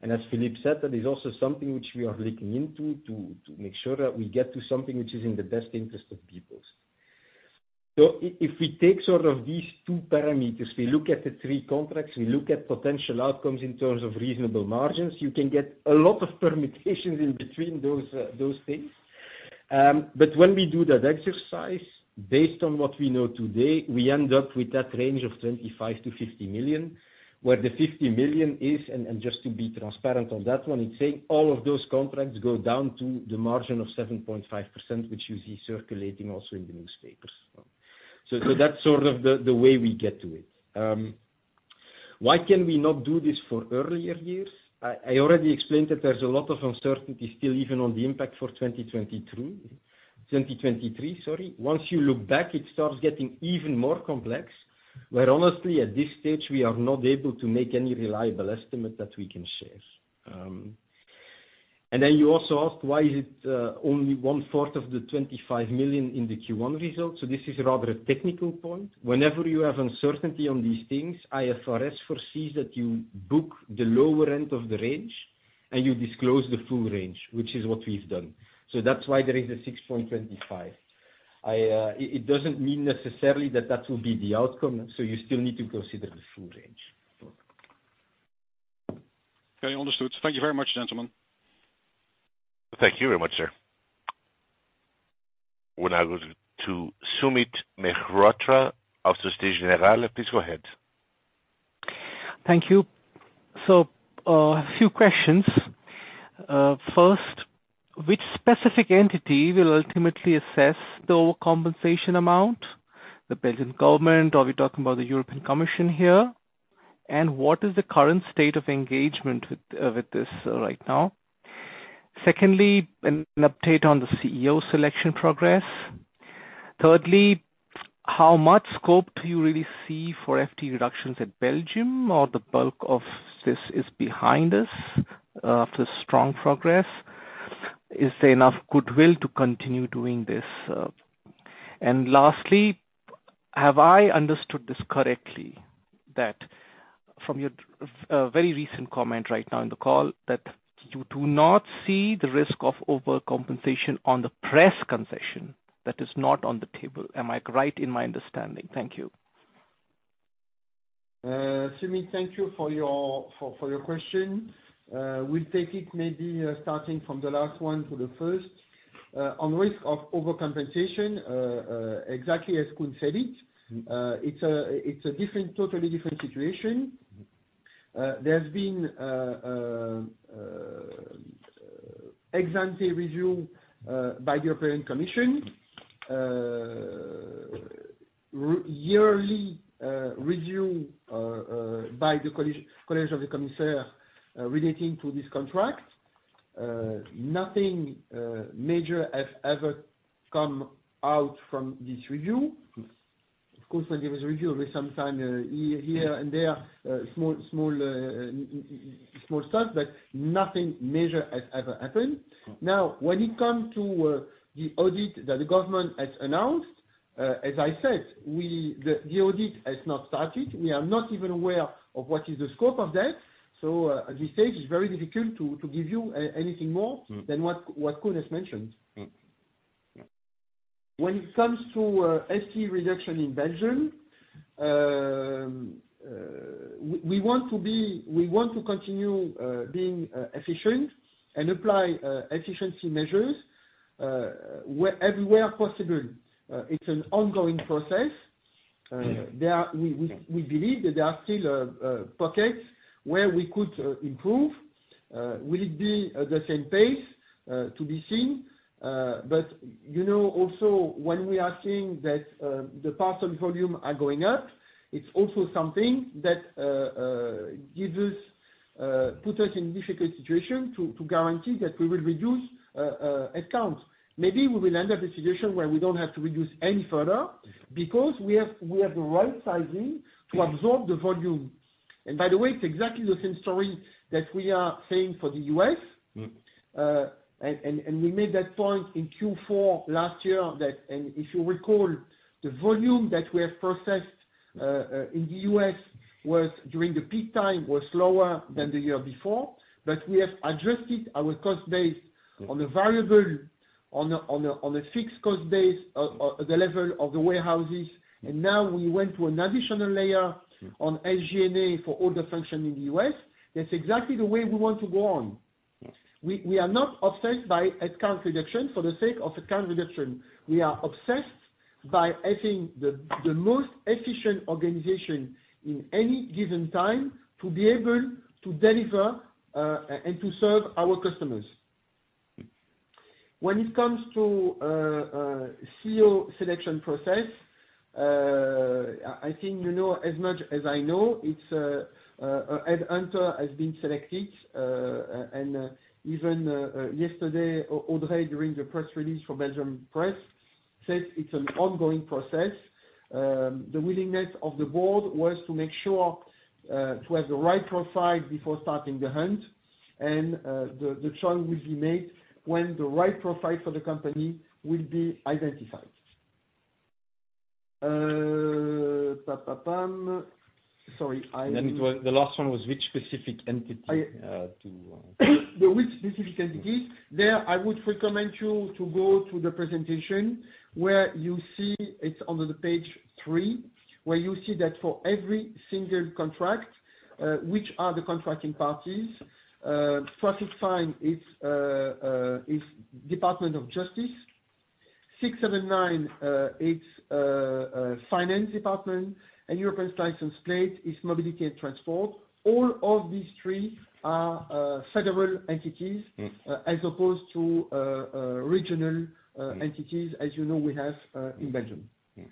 As Philippe said, that is also something which we are looking into to make sure that we get to something which is in the best interest of people. If we take sort of these two parameters, we look at the three contracts, we look at potential outcomes in terms of reasonable margins, you can get a lot of permutations in between those things. When we do that exercise, based on what we know today, we end up with that range of 25 million-50 million, where the 50 million is, and just to be transparent on that one, it's saying all of those contracts go down to the margin of 7.5%, which you see circulating also in the newspapers. That's sort of the way we get to it. Why can we not do this for earlier years? I already explained that there's a lot of uncertainty still, even on the impact for 2023, sorry. Once you look back, it starts getting even more complex, where honestly, at this stage, we are not able to make any reliable estimate that we can share. Then you also asked, why is it only one-fourth of 25 million in the Q1 results? This is rather a technical point. Whenever you have uncertainty on these things, IFRS foresees that you book the lower end of the range and you disclose the full range, which is what we've done. That's why there is 6.25. It doesn't mean necessarily that that will be the outcome, you still need to consider the full range. Okay. Understood. Thank you very much, gentlemen. Thank you very much, sir. We'll now go to Sumit Mehrotra of Société Générale. Please go ahead. Thank you. A few questions. First, which specific entity will ultimately assess the overcompensation amount? The Belgian government, or are we talking about the European Commission here? What is the current state of engagement with this right now? Secondly, an update on the CEO selection progress. Thirdly, how much scope do you really see for FTE reductions at Belgium or the bulk of this is behind us, after strong progress? Is there enough goodwill to continue doing this? Lastly, have I understood this correctly, that from your very recent comment right now in the call that you do not see the risk of overcompensation on the press concession that is not on the table. Am I right in my understanding? Thank you. Sumit, thank you for your question. We'll take it maybe, starting from the last one to the first. On risk of overcompensation, exactly as Koen said it's a different, totally different situation. There's been an ex ante review by the European Commission. Yearly review by the Collège des Commissaires relating to this contract. Nothing major has ever come out from this review. Of course, when there is a review, there's sometime here and there small stuff, but nothing major has ever happened. When it comes to the audit that the government has announced, as I said, the audit has not started. We are not even aware of what is the scope of that. At this stage, it's very difficult to give you anything more. Mm. -than what Koen has mentioned. Mm. When it comes to FT reduction in Belgium, we want to continue being efficient and apply efficiency measures everywhere possible. It's an ongoing process. There are. Mm. We believe that there are still pockets where we could improve. Will it be at the same pace? To be seen. You know, also, when we are seeing that the parcel volume are going up, it's also something that gives us, puts us in difficult situation to guarantee that we will reduce accounts. Maybe we will end up a situation where we don't have to reduce any further because we have the right sizing to absorb the volume. By the way, it's exactly the same story that we are saying for the U.S. Mm. We made that point in Q4 last year and if you recall, the volume that we have processed in the U.S. was, during the peak time, was lower than the year before, but we have adjusted our cost base on the variable on a fixed cost base of the level of the warehouses. Now we went to an additional layer on SG&A for all the function in the U.S. That's exactly the way we want to go on. Yes. We are not obsessed by head count reduction for the sake of head count reduction. We are obsessed by having the most efficient organization in any given time to be able to deliver and to serve our customers. When it comes to CEO selection process, I think you know as much as I know, it's, a headhunter has been selected. Even yesterday, Audrey during the press release from Belgium press, says it's an ongoing process. The willingness of the board was to make sure to have the right profile before starting the hunt. The choice will be made when the right profile for the company will be identified. Pam. Sorry. The last one was which specific entity, to. The which specific entity. There, I would recommend you to go to the presentation where you see it's under the Page 3, where you see that for every single contract, which are the contracting parties. Procès-verbal, it's Department of Justice. 609, it's Finance Department and European license plate is Mobility and Transport. All of these three are Federal entities. Mm-hmm. As opposed to regional entities as you know we have in Belgium. Yes.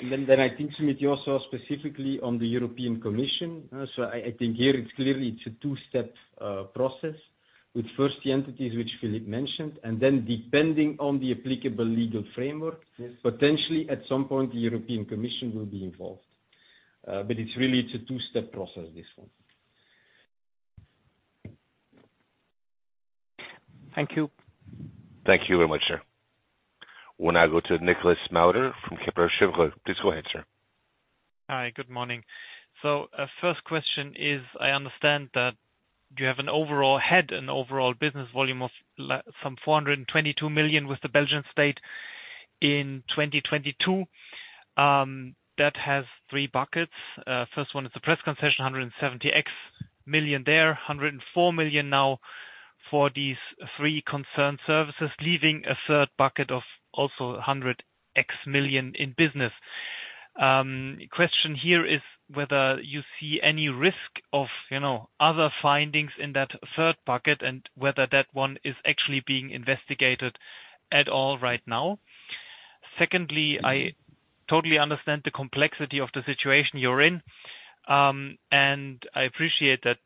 I think Sumit, you also specifically on the European Commission. I think here it's clearly it's a two-step process with first the entities which Philippe mentioned, and then depending on the applicable legal framework- Yes. Potentially at some point, the European Commission will be involved. It's really it's a two-step process, this one. Thank you. Thank you very much, sir. We'll now go to Nicolas Mueler from Kepler Cheuvreux. Please go ahead, sir. Good morning. First question is, I understand that you have an overall head, an overall business volume of some 422 million with the Belgian State in 2022. That has three buckets. First one is the press concession, EUR 170X million there. 104 million now for these three concerned services, leaving a third bucket of also EUR 100X million in business. Question here is whether you see any risk of, you know, other findings in that third bucket and whether that one is actually being investigated at all right now. Secondly, I totally understand the complexity of the situation you're in. And I appreciate that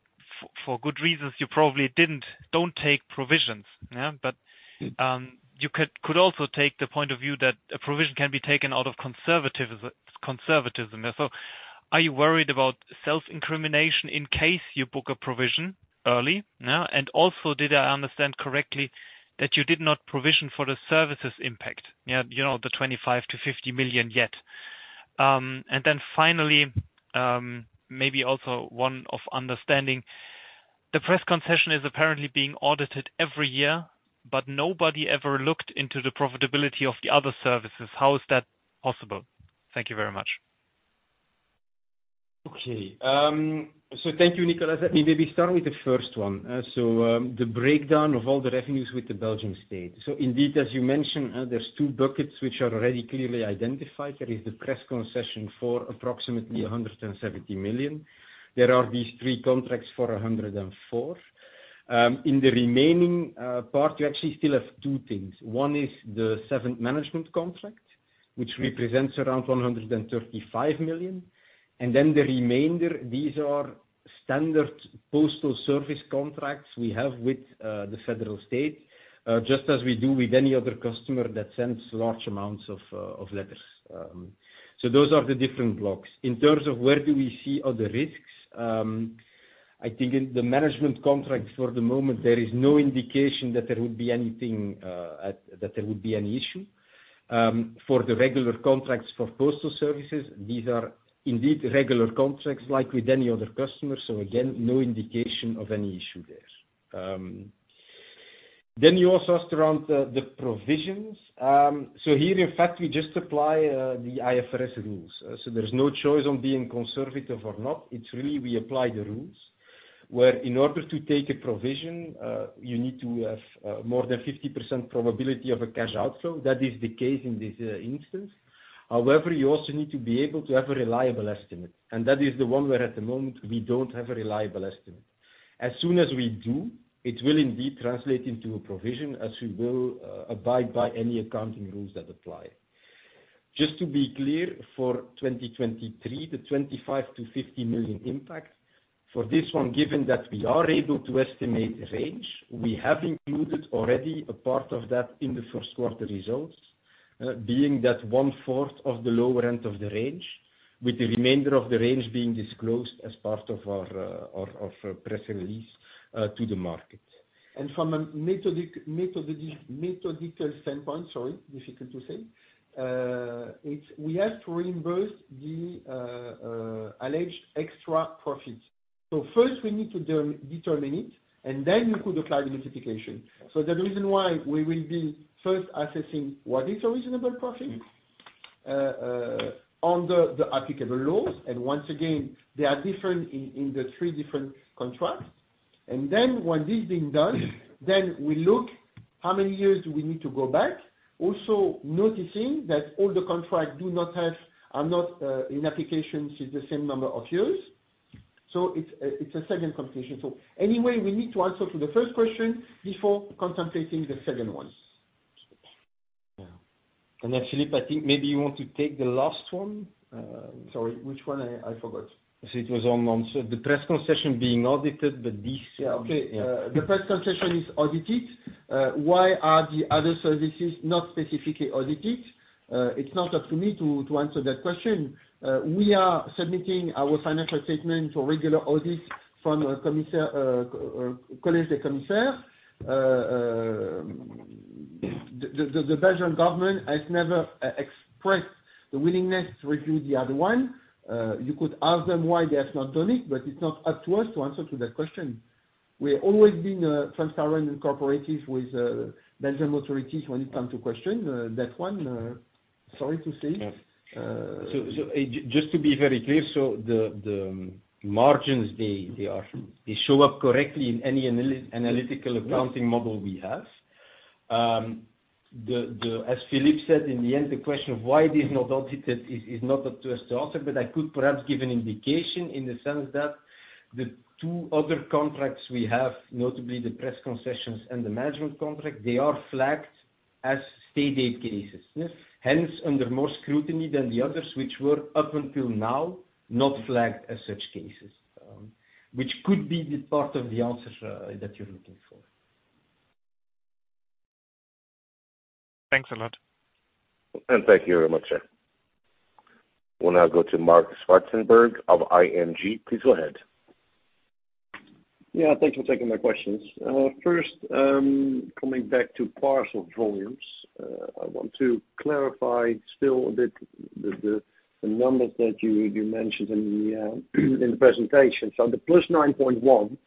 for good reasons you probably didn't, don't take provisions. Yeah, but. Mm-hmm. You could also take the point of view that a provision can be taken out of conservative, conservatism. Are you worried about self-incrimination in case you book a provision early? Now, did I understand correctly that you did not provision for the services impact? Yeah, you know, the 25 million-50 million yet. Finally, maybe also one of understanding. The press concession is apparently being audited every year, nobody ever looked into the profitability of the other services. How is that possible? Thank you very much. Okay. Thank you, Nicolas. Let me maybe start with the first one. The breakdown of all the revenues with the Belgian State. Indeed, as you mentioned, there's 2 buckets which are already clearly identified. There is the press concession for approximately 170 million. There are these 3 contracts for 104 million. In the remaining part, we actually still have 2 things. One is the 7 management contract, which represents around 135 million. The remainder, these are standard postal service contracts we have with the Federal State, just as we do with any other customer that sends large amounts of letters. Those are the different blocks. In terms of where do we see other risks, I think in the management contract for the moment, there is no indication that there would be anything that there would be any issue. For the regular contracts for postal services, these are indeed regular contracts like with any other customer. Again, no indication of any issue there. You also asked around the provisions. Here, in fact, we just apply the IFRS rules. There's no choice on being conservative or not. It's really we apply the rules, where in order to take a provision, you need to have more than 50% probability of a cash outflow. That is the case in this instance. You also need to be able to have a reliable estimate, and that is the one where at the moment we don't have a reliable estimate. As soon as we do, it will indeed translate into a provision as we will abide by any accounting rules that apply. Just to be clear, for 2023, the 25 million-50 million impact, for this one, given that we are able to estimate range, we have included already a part of that in the first quarter results, being that one-fourth of the lower end of the range, with the remainder of the range being disclosed as part of our press release to the market. From a methodic, methodical standpoint, sorry, difficult to say. It's we have to reimburse the alleged extra profits. First we need to determine it, and then you could apply the notification. The reason why we will be first assessing what is a reasonable profit under the applicable laws. Once again, they are different in the three different contracts. Once this being done, we look how many years do we need to go back. Also noticing that all the contracts are not in applications with the same number of years. It's a second consultation. Anyway, we need to answer to the first question before contemplating the second one. Yeah. Philippe, I think maybe you want to take the last one. Sorry, which one? I forgot. It was on the press concession being audited. Yeah. Okay. Yeah. The press concession is audited. Why are the other services not specifically audited? It's not up to me to answer that question. We are submitting our financial statement to a regular audit from a commissaire, Collège des Commissaires. The Belgian government has never expressed the willingness to review the other one. You could ask them why they have not done it, but it's not up to us to answer to that question. We've always been, transparent and cooperative with, Belgian authorities when it comes to question, that one. Sorry to say. Yeah. Uh- Just to be very clear, so the margins, they are, they show up correctly in any analytical. Yeah. -accounting model we have. As Philippe said, in the end, the question of why it is not audited is not up to us to answer, but I could perhaps give an indication in the sense that the two other contracts we have, notably the press concessions and the management contract, they are flagged as State Aid cases. Yes. Under more scrutiny than the others, which were up until now, not flagged as such cases, which could be the part of the answer, that you're looking for. Thanks a lot. Thank you very much, sir. We'll now go to Mark Zwartsenburg of ING. Please go ahead. Thanks for taking my questions. First, coming back to parcel volumes, I want to clarify still a bit the numbers that you mentioned in the presentation. The +9.1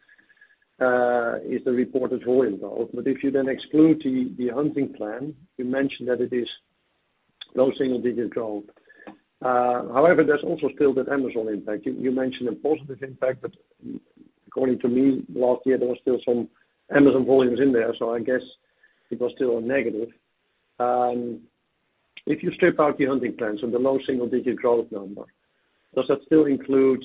is the reported volume growth. If you exclude the Hunting Plan, you mentioned that it is low single digit growth. However, there's also still that Amazon impact. You mentioned a positive impact, according to me, last year, there was still some Amazon volumes in there, I guess it was still a negative. If you strip out the Hunting Plans and the low single digit growth number, does that still include?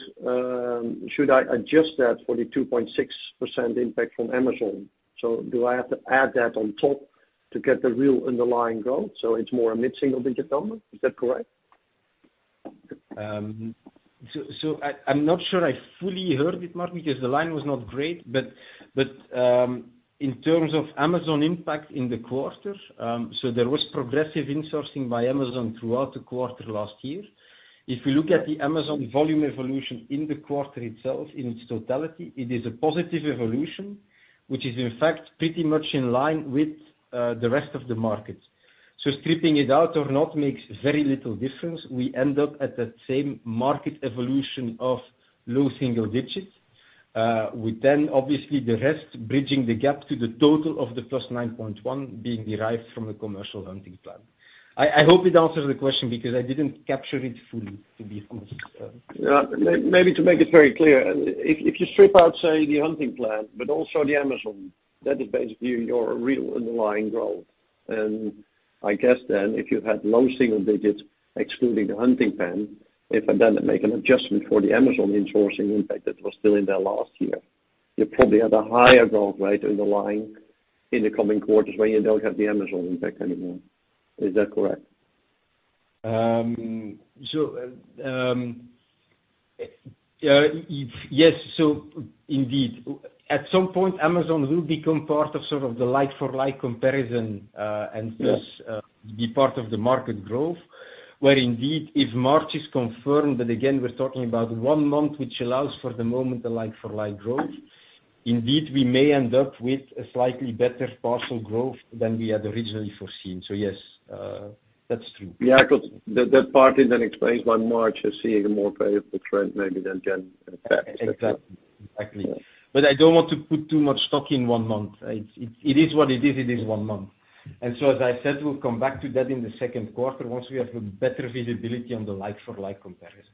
Should I adjust that for the 2.6% impact from Amazon? Do I have to add that on top to get the real underlying growth, so it's more a mid-single digit number? Is that correct? I'm not sure I fully heard it, Mark, because the line was not great. In terms of Amazon impact in the quarter, there was progressive insourcing by Amazon throughout the quarter last year. If you look at the Amazon volume evolution in the quarter itself, in its totality, it is a positive evolution, which is in fact pretty much in line with the rest of the market. Stripping it out or not makes very little difference. We end up at that same market evolution of low single digits, with then obviously the rest bridging the gap to the total of the +9.1% being derived from the Commercial Hunting Plan. I hope it answers the question because I didn't capture it fully, to be honest. Yeah. Maybe to make it very clear, if you strip out, say, the Commercial Hunting Plan, but also the Amazon, that is basically your real underlying growth. I guess then if you had low single digits excluding the Commercial Hunting Plan, if I then make an adjustment for the Amazon insourcing impact that was still in there last year, you probably have a higher growth rate underlying in the coming quarters where you don't have the Amazon impact anymore. Is that correct? Yes. Indeed, at some point, Amazon will become part of sort of the like-for-like comparison, and thus. Yeah. be part of the market growth, where indeed, if March is confirmed, but again, we're talking about one month, which allows for the moment a like-for-like growth, indeed, we may end up with a slightly better parcel growth than we had originally foreseen. yes, that's true. Yeah. 'Cause that part is then explained why March is seeing a more favorable trend maybe than January. Exactly. Exactly. Yeah. I don't want to put too much stock in one month. It is what it is. It is one month. As I said, we'll come back to that in the second quarter once we have a better visibility on the like-for-like comparison.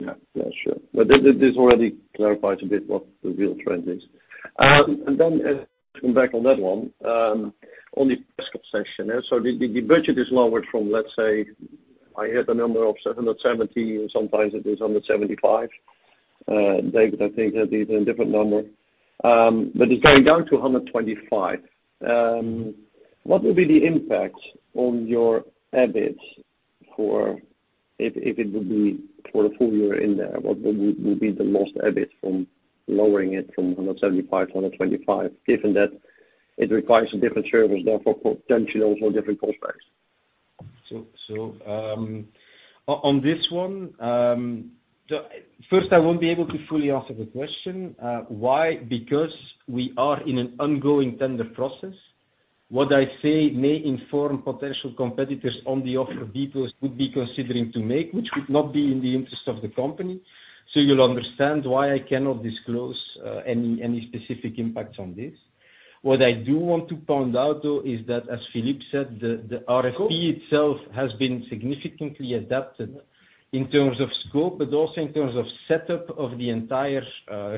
Yeah. Yeah, sure. This already clarifies a bit what the real trend is. To come back on that one, on the press concession. The budget is lowered from, let's say, I heard the number of 170, or sometimes it is 175. David, I think that is a different number. It's going down to 125. What will be the impact on your EBIT for if it would be for the full year in there? What would be the lost EBIT from lowering it from 175 to 125, given that it requires some different service, therefore potentially also different cost base? On this one, first, I won't be able to fully answer the question. Why? Because we are in an ongoing tender process. What I say may inform potential competitors on the offer people would be considering to make, which would not be in the interest of the company. You'll understand why I cannot disclose any specific impacts on this. What I do want to point out, though, is that, as Philippe said, the RFP itself has been significantly adapted in terms of scope, but also in terms of setup of the entire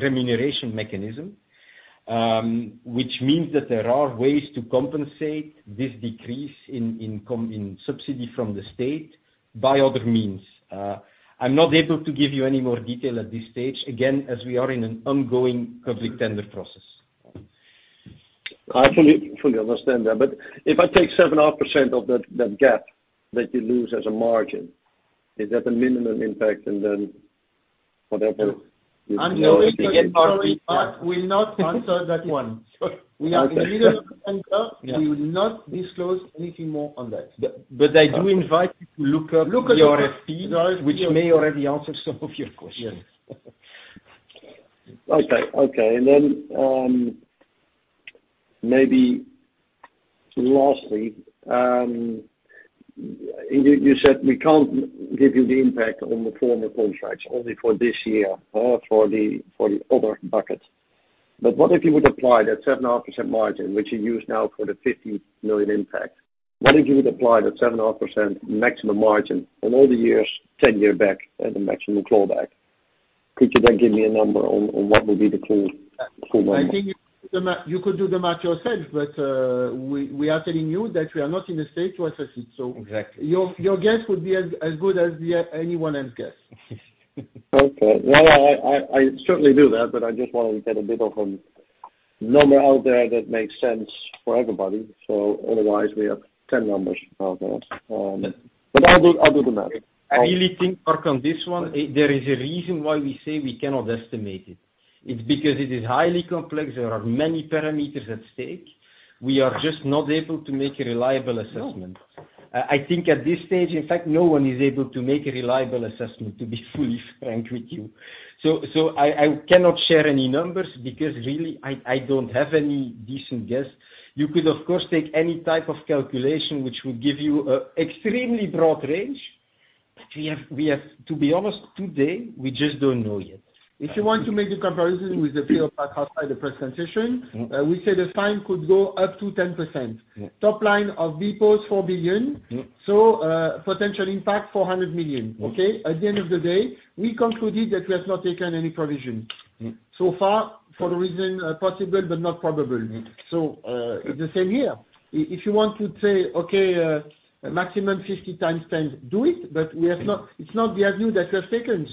remuneration mechanism, which means that there are ways to compensate this decrease in subsidy from the State by other means. I'm not able to give you any more detail at this stage, again, as we are in an ongoing public tender process. I fully understand that. If I take 7.5% of that gap that you lose as a margin, is that the minimum impact? I'm sorry, Marc, we'll not answer that one. We are in the middle of a tender. Yeah. We will not disclose anything more on that. I do invite you to look up the RFP, which may already answer some of your questions. Yes. Okay, okay. Maybe lastly, you said we can't give you the impact on the former contracts only for this year or for the, for the other buckets. What if you would apply that 7.5% margin, which you use now for the 50 million impact? What if you would apply that 7.5% maximum margin on all the years, 10 year back as a maximum clawback? Could you then give me a number on what will be the full number? I think you could do the math yourself, but, we are telling you that we are not in a state to assess it. Exactly. Your guess would be as good as anyone else guess. Well, I certainly do that, but I just wanted to get a bit of a number out there that makes sense for everybody. Otherwise we have 10 numbers out there. But I'll do the math. I really think, Marc, on this one, there is a reason why we say we cannot estimate it. It's because it is highly complex. There are many parameters at stake. We are just not able to make a reliable assessment. No. I think at this stage, in fact, no one is able to make a reliable assessment, to be fully frank with you. I cannot share any numbers because really I don't have any decent guess. You could, of course, take any type of calculation which would give you a extremely broad range. We have to be honest, today, we just don't know yet. Thank you. If you want to make a comparison with the pay of that outside the presentation. Mm-hmm. we say the fine could go up to 10%. Yeah. Top line of bpost, 4 billion. Yeah. Potential impact 400 million. Yeah. At the end of the day, we concluded that we have not taken any provision. Yeah. Far, for the reason, possible but not probable. Yeah. It's the same here. If you want to say, okay, maximum 50x 10, do it. It's not the avenue that we have taken.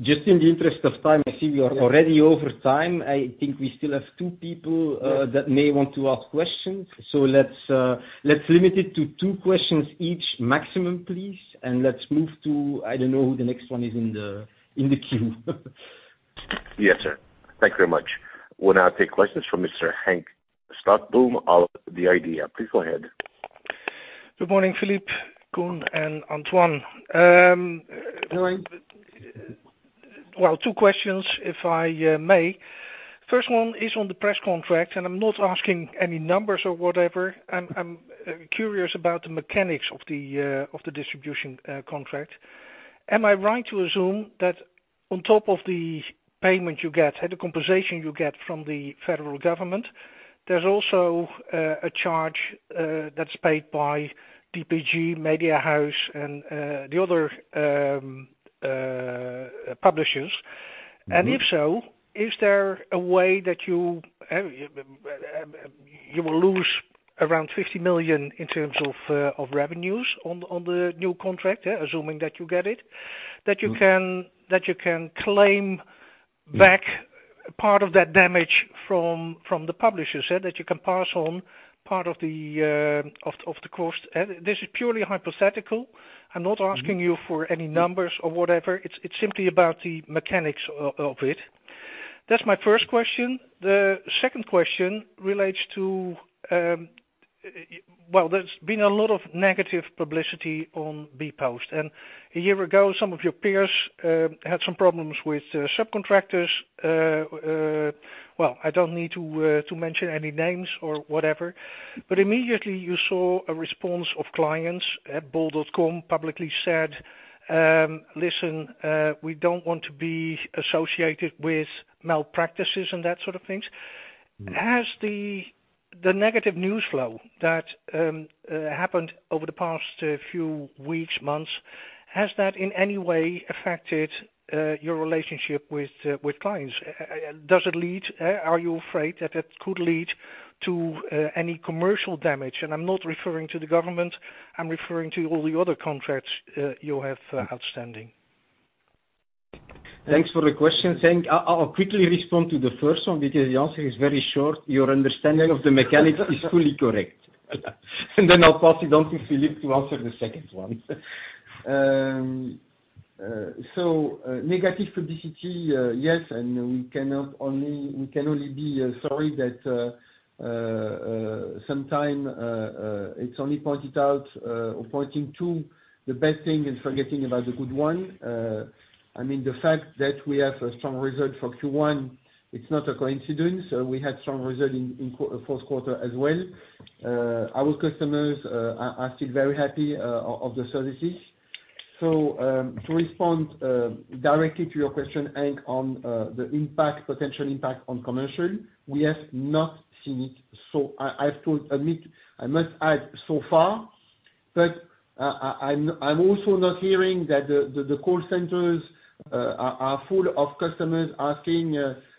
Just in the interest of time, I see we are already over time. I think we still have two people that may want to ask questions. Let's limit it to two questions each maximum, please. Let's move to, I don't know who the next one is in the queue. Yes, sir. Thank you very much. We'll now take questions from Mr. Henk Slotboom of The Idea. Please go ahead. Good morning, Philippe, Koen, and Antoine. Well, two questions if I may. First one is on the press contract, and I'm not asking any numbers or whatever. I'm curious about the mechanics of the distribution contract. Am I right to assume that on top of the payment you get, the compensation you get from the federal government, there's also a charge that's paid by DPG Media and the other publishers? Mm-hmm. If so, is there a way that you will lose around EUR 50 million in terms of revenues on the new contract, assuming that you get it. That you can claim back part of that damage from the publishers, say that you can pass on part of the cost. This is purely hypothetical. I'm not asking you for any numbers or whatever. It's simply about the mechanics of it. That's my first question. The second question relates to, well, there's been a lot of negative publicity on bpost, and a year ago, some of your peers had some problems with subcontractors. Well, I don't need to mention any names or whatever. Immediately you saw a response of clients at bol, publicly said, "Listen, we don't want to be associated with malpractices," and that sort of things. Mm-hmm. Has the negative news flow that happened over the past few weeks, months, has that in any way affected your relationship with clients? Are you afraid that it could lead to any commercial damage? I'm not referring to the government, I'm referring to all the other contracts you have outstanding. Thanks for the question, Henk. I'll quickly respond to the first one because the answer is very short. Then I'll pass it on to Philippe to answer the second one. So, negative publicity, yes, and we cannot only we can only be sorry that sometime it's only pointed out or pointing to the bad thing and forgetting about the good one. I mean, the fact that we have a strong result for Q1, it's not a coincidence. We had strong result in fourth quarter as well. Our customers are still very happy of the services. So, to respond directly to your question, Henk, on the impact, potential impact on commercial, we have not seen it. I have to admit, I must add so far, but I'm also not hearing that the call centers are full of customers asking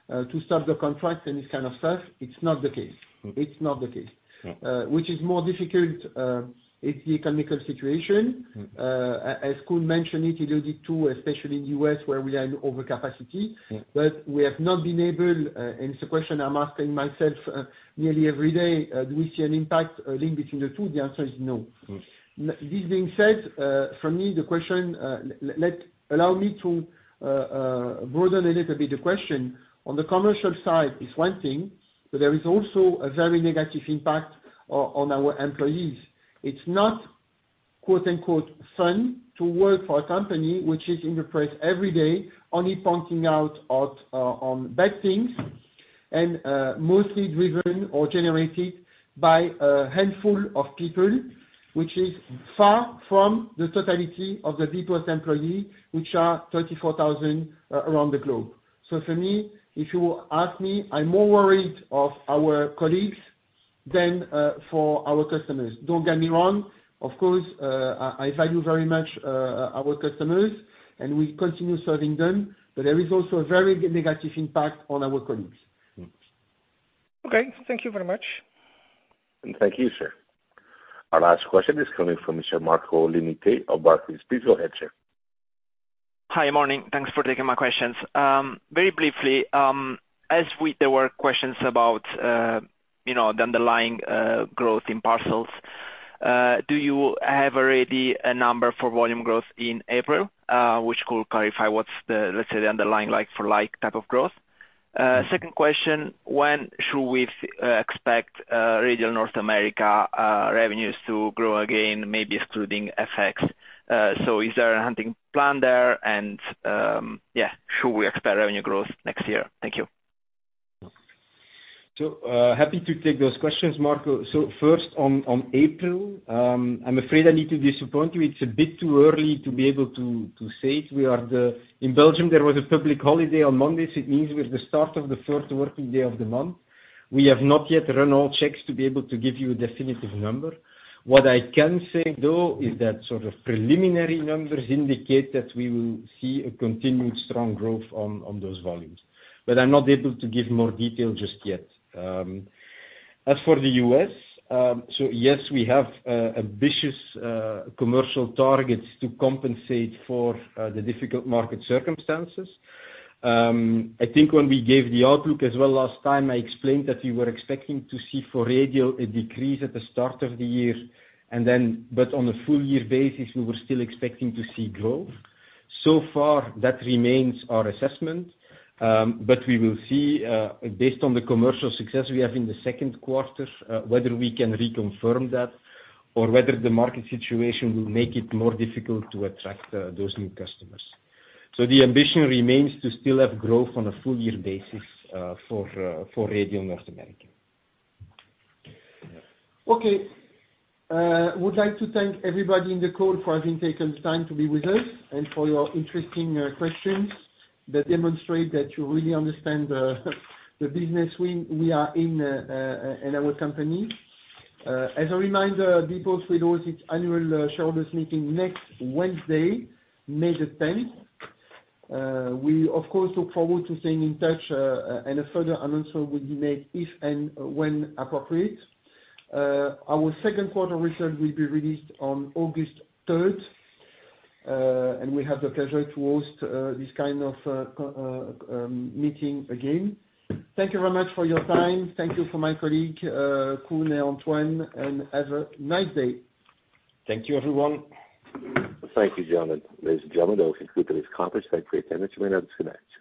to stop the contract and this kind of stuff. It's not the case. Mm-hmm. It's not the case. Yeah. Which is more difficult is the economical situation. Mm-hmm. As Koen mentioned it is too, especially in U.S. where we are in over capacity. Yeah. We have not been able, and it's a question I'm asking myself nearly every day, do we see an impact, a link between the two? The answer is no. Yes. This being said, for me, the question, allow me to broaden a little bit the question. On the commercial side is one thing, but there is also a very negative impact on our employees. It's not "fun" to work for a company which is in the press every day, only pointing out on bad things, and mostly driven or generated by a handful of people, which is far from the totality of the bpost employee, which are 34,000 around the globe. For me, if you ask me, I'm more worried of our colleagues than for our customers. Don't get me wrong, of course, I value very much our customers, and we continue serving them, but there is also a very negative impact on our colleagues. Okay. Thank you very much. Thank you, sir. Our last question is coming from Monsieur Marco Limite of Barclays. Please go ahead, sir. Hi, morning. Thanks for taking my questions. Very briefly, there were questions about, you know, the underlying growth in parcels. Do you have already a number for volume growth in April, which could clarify what's the, let's say, the underlying like-for-like type of growth? Second question, when should we expect Radial North America revenues to grow again, maybe excluding FX? Is there anything planned there? Should we expect revenue growth next year? Thank you. Happy to take those questions, Marco. First on April, I'm afraid I need to disappoint you. It's a bit too early to be able to say it. In Belgium, there was a public holiday on Monday, so it means we're the start of the first working day of the month. We have not yet run all checks to be able to give you a definitive number. What I can say, though, is that sort of preliminary numbers indicate that we will see a continued strong growth on those volumes. I'm not able to give more detail just yet. As for the US, yes, we have ambitious commercial targets to compensate for the difficult market circumstances. I think when we gave the outlook as well last time, I explained that we were expecting to see for Radial a decrease at the start of the year. On a full year basis, we were still expecting to see growth. So far that remains our assessment. We will see, based on the commercial success we have in the second quarter, whether we can reconfirm that or whether the market situation will make it more difficult to attract, those new customers. The ambition remains to still have growth on a full year basis, for Radial North America. Okay. Would like to thank everybody in the call for having taken time to be with us and for your interesting questions that demonstrate that you really understand the business we are in in our company. As a reminder, bpost will host its annual shareholders meeting next Wednesday, May the tenth. We of course, look forward to staying in touch, and a further announcement will be made if and when appropriate. Our second quarter result will be released on August third. We have the pleasure to host this kind of meeting again. Thank you very much for your time. Thank you for my colleague, Koen and Antoine, and have a nice day. Thank you, everyone. Thank you, gentlemen. Ladies and gentlemen, that was good. It is accomplished. Thank you, attendants. You may now disconnect.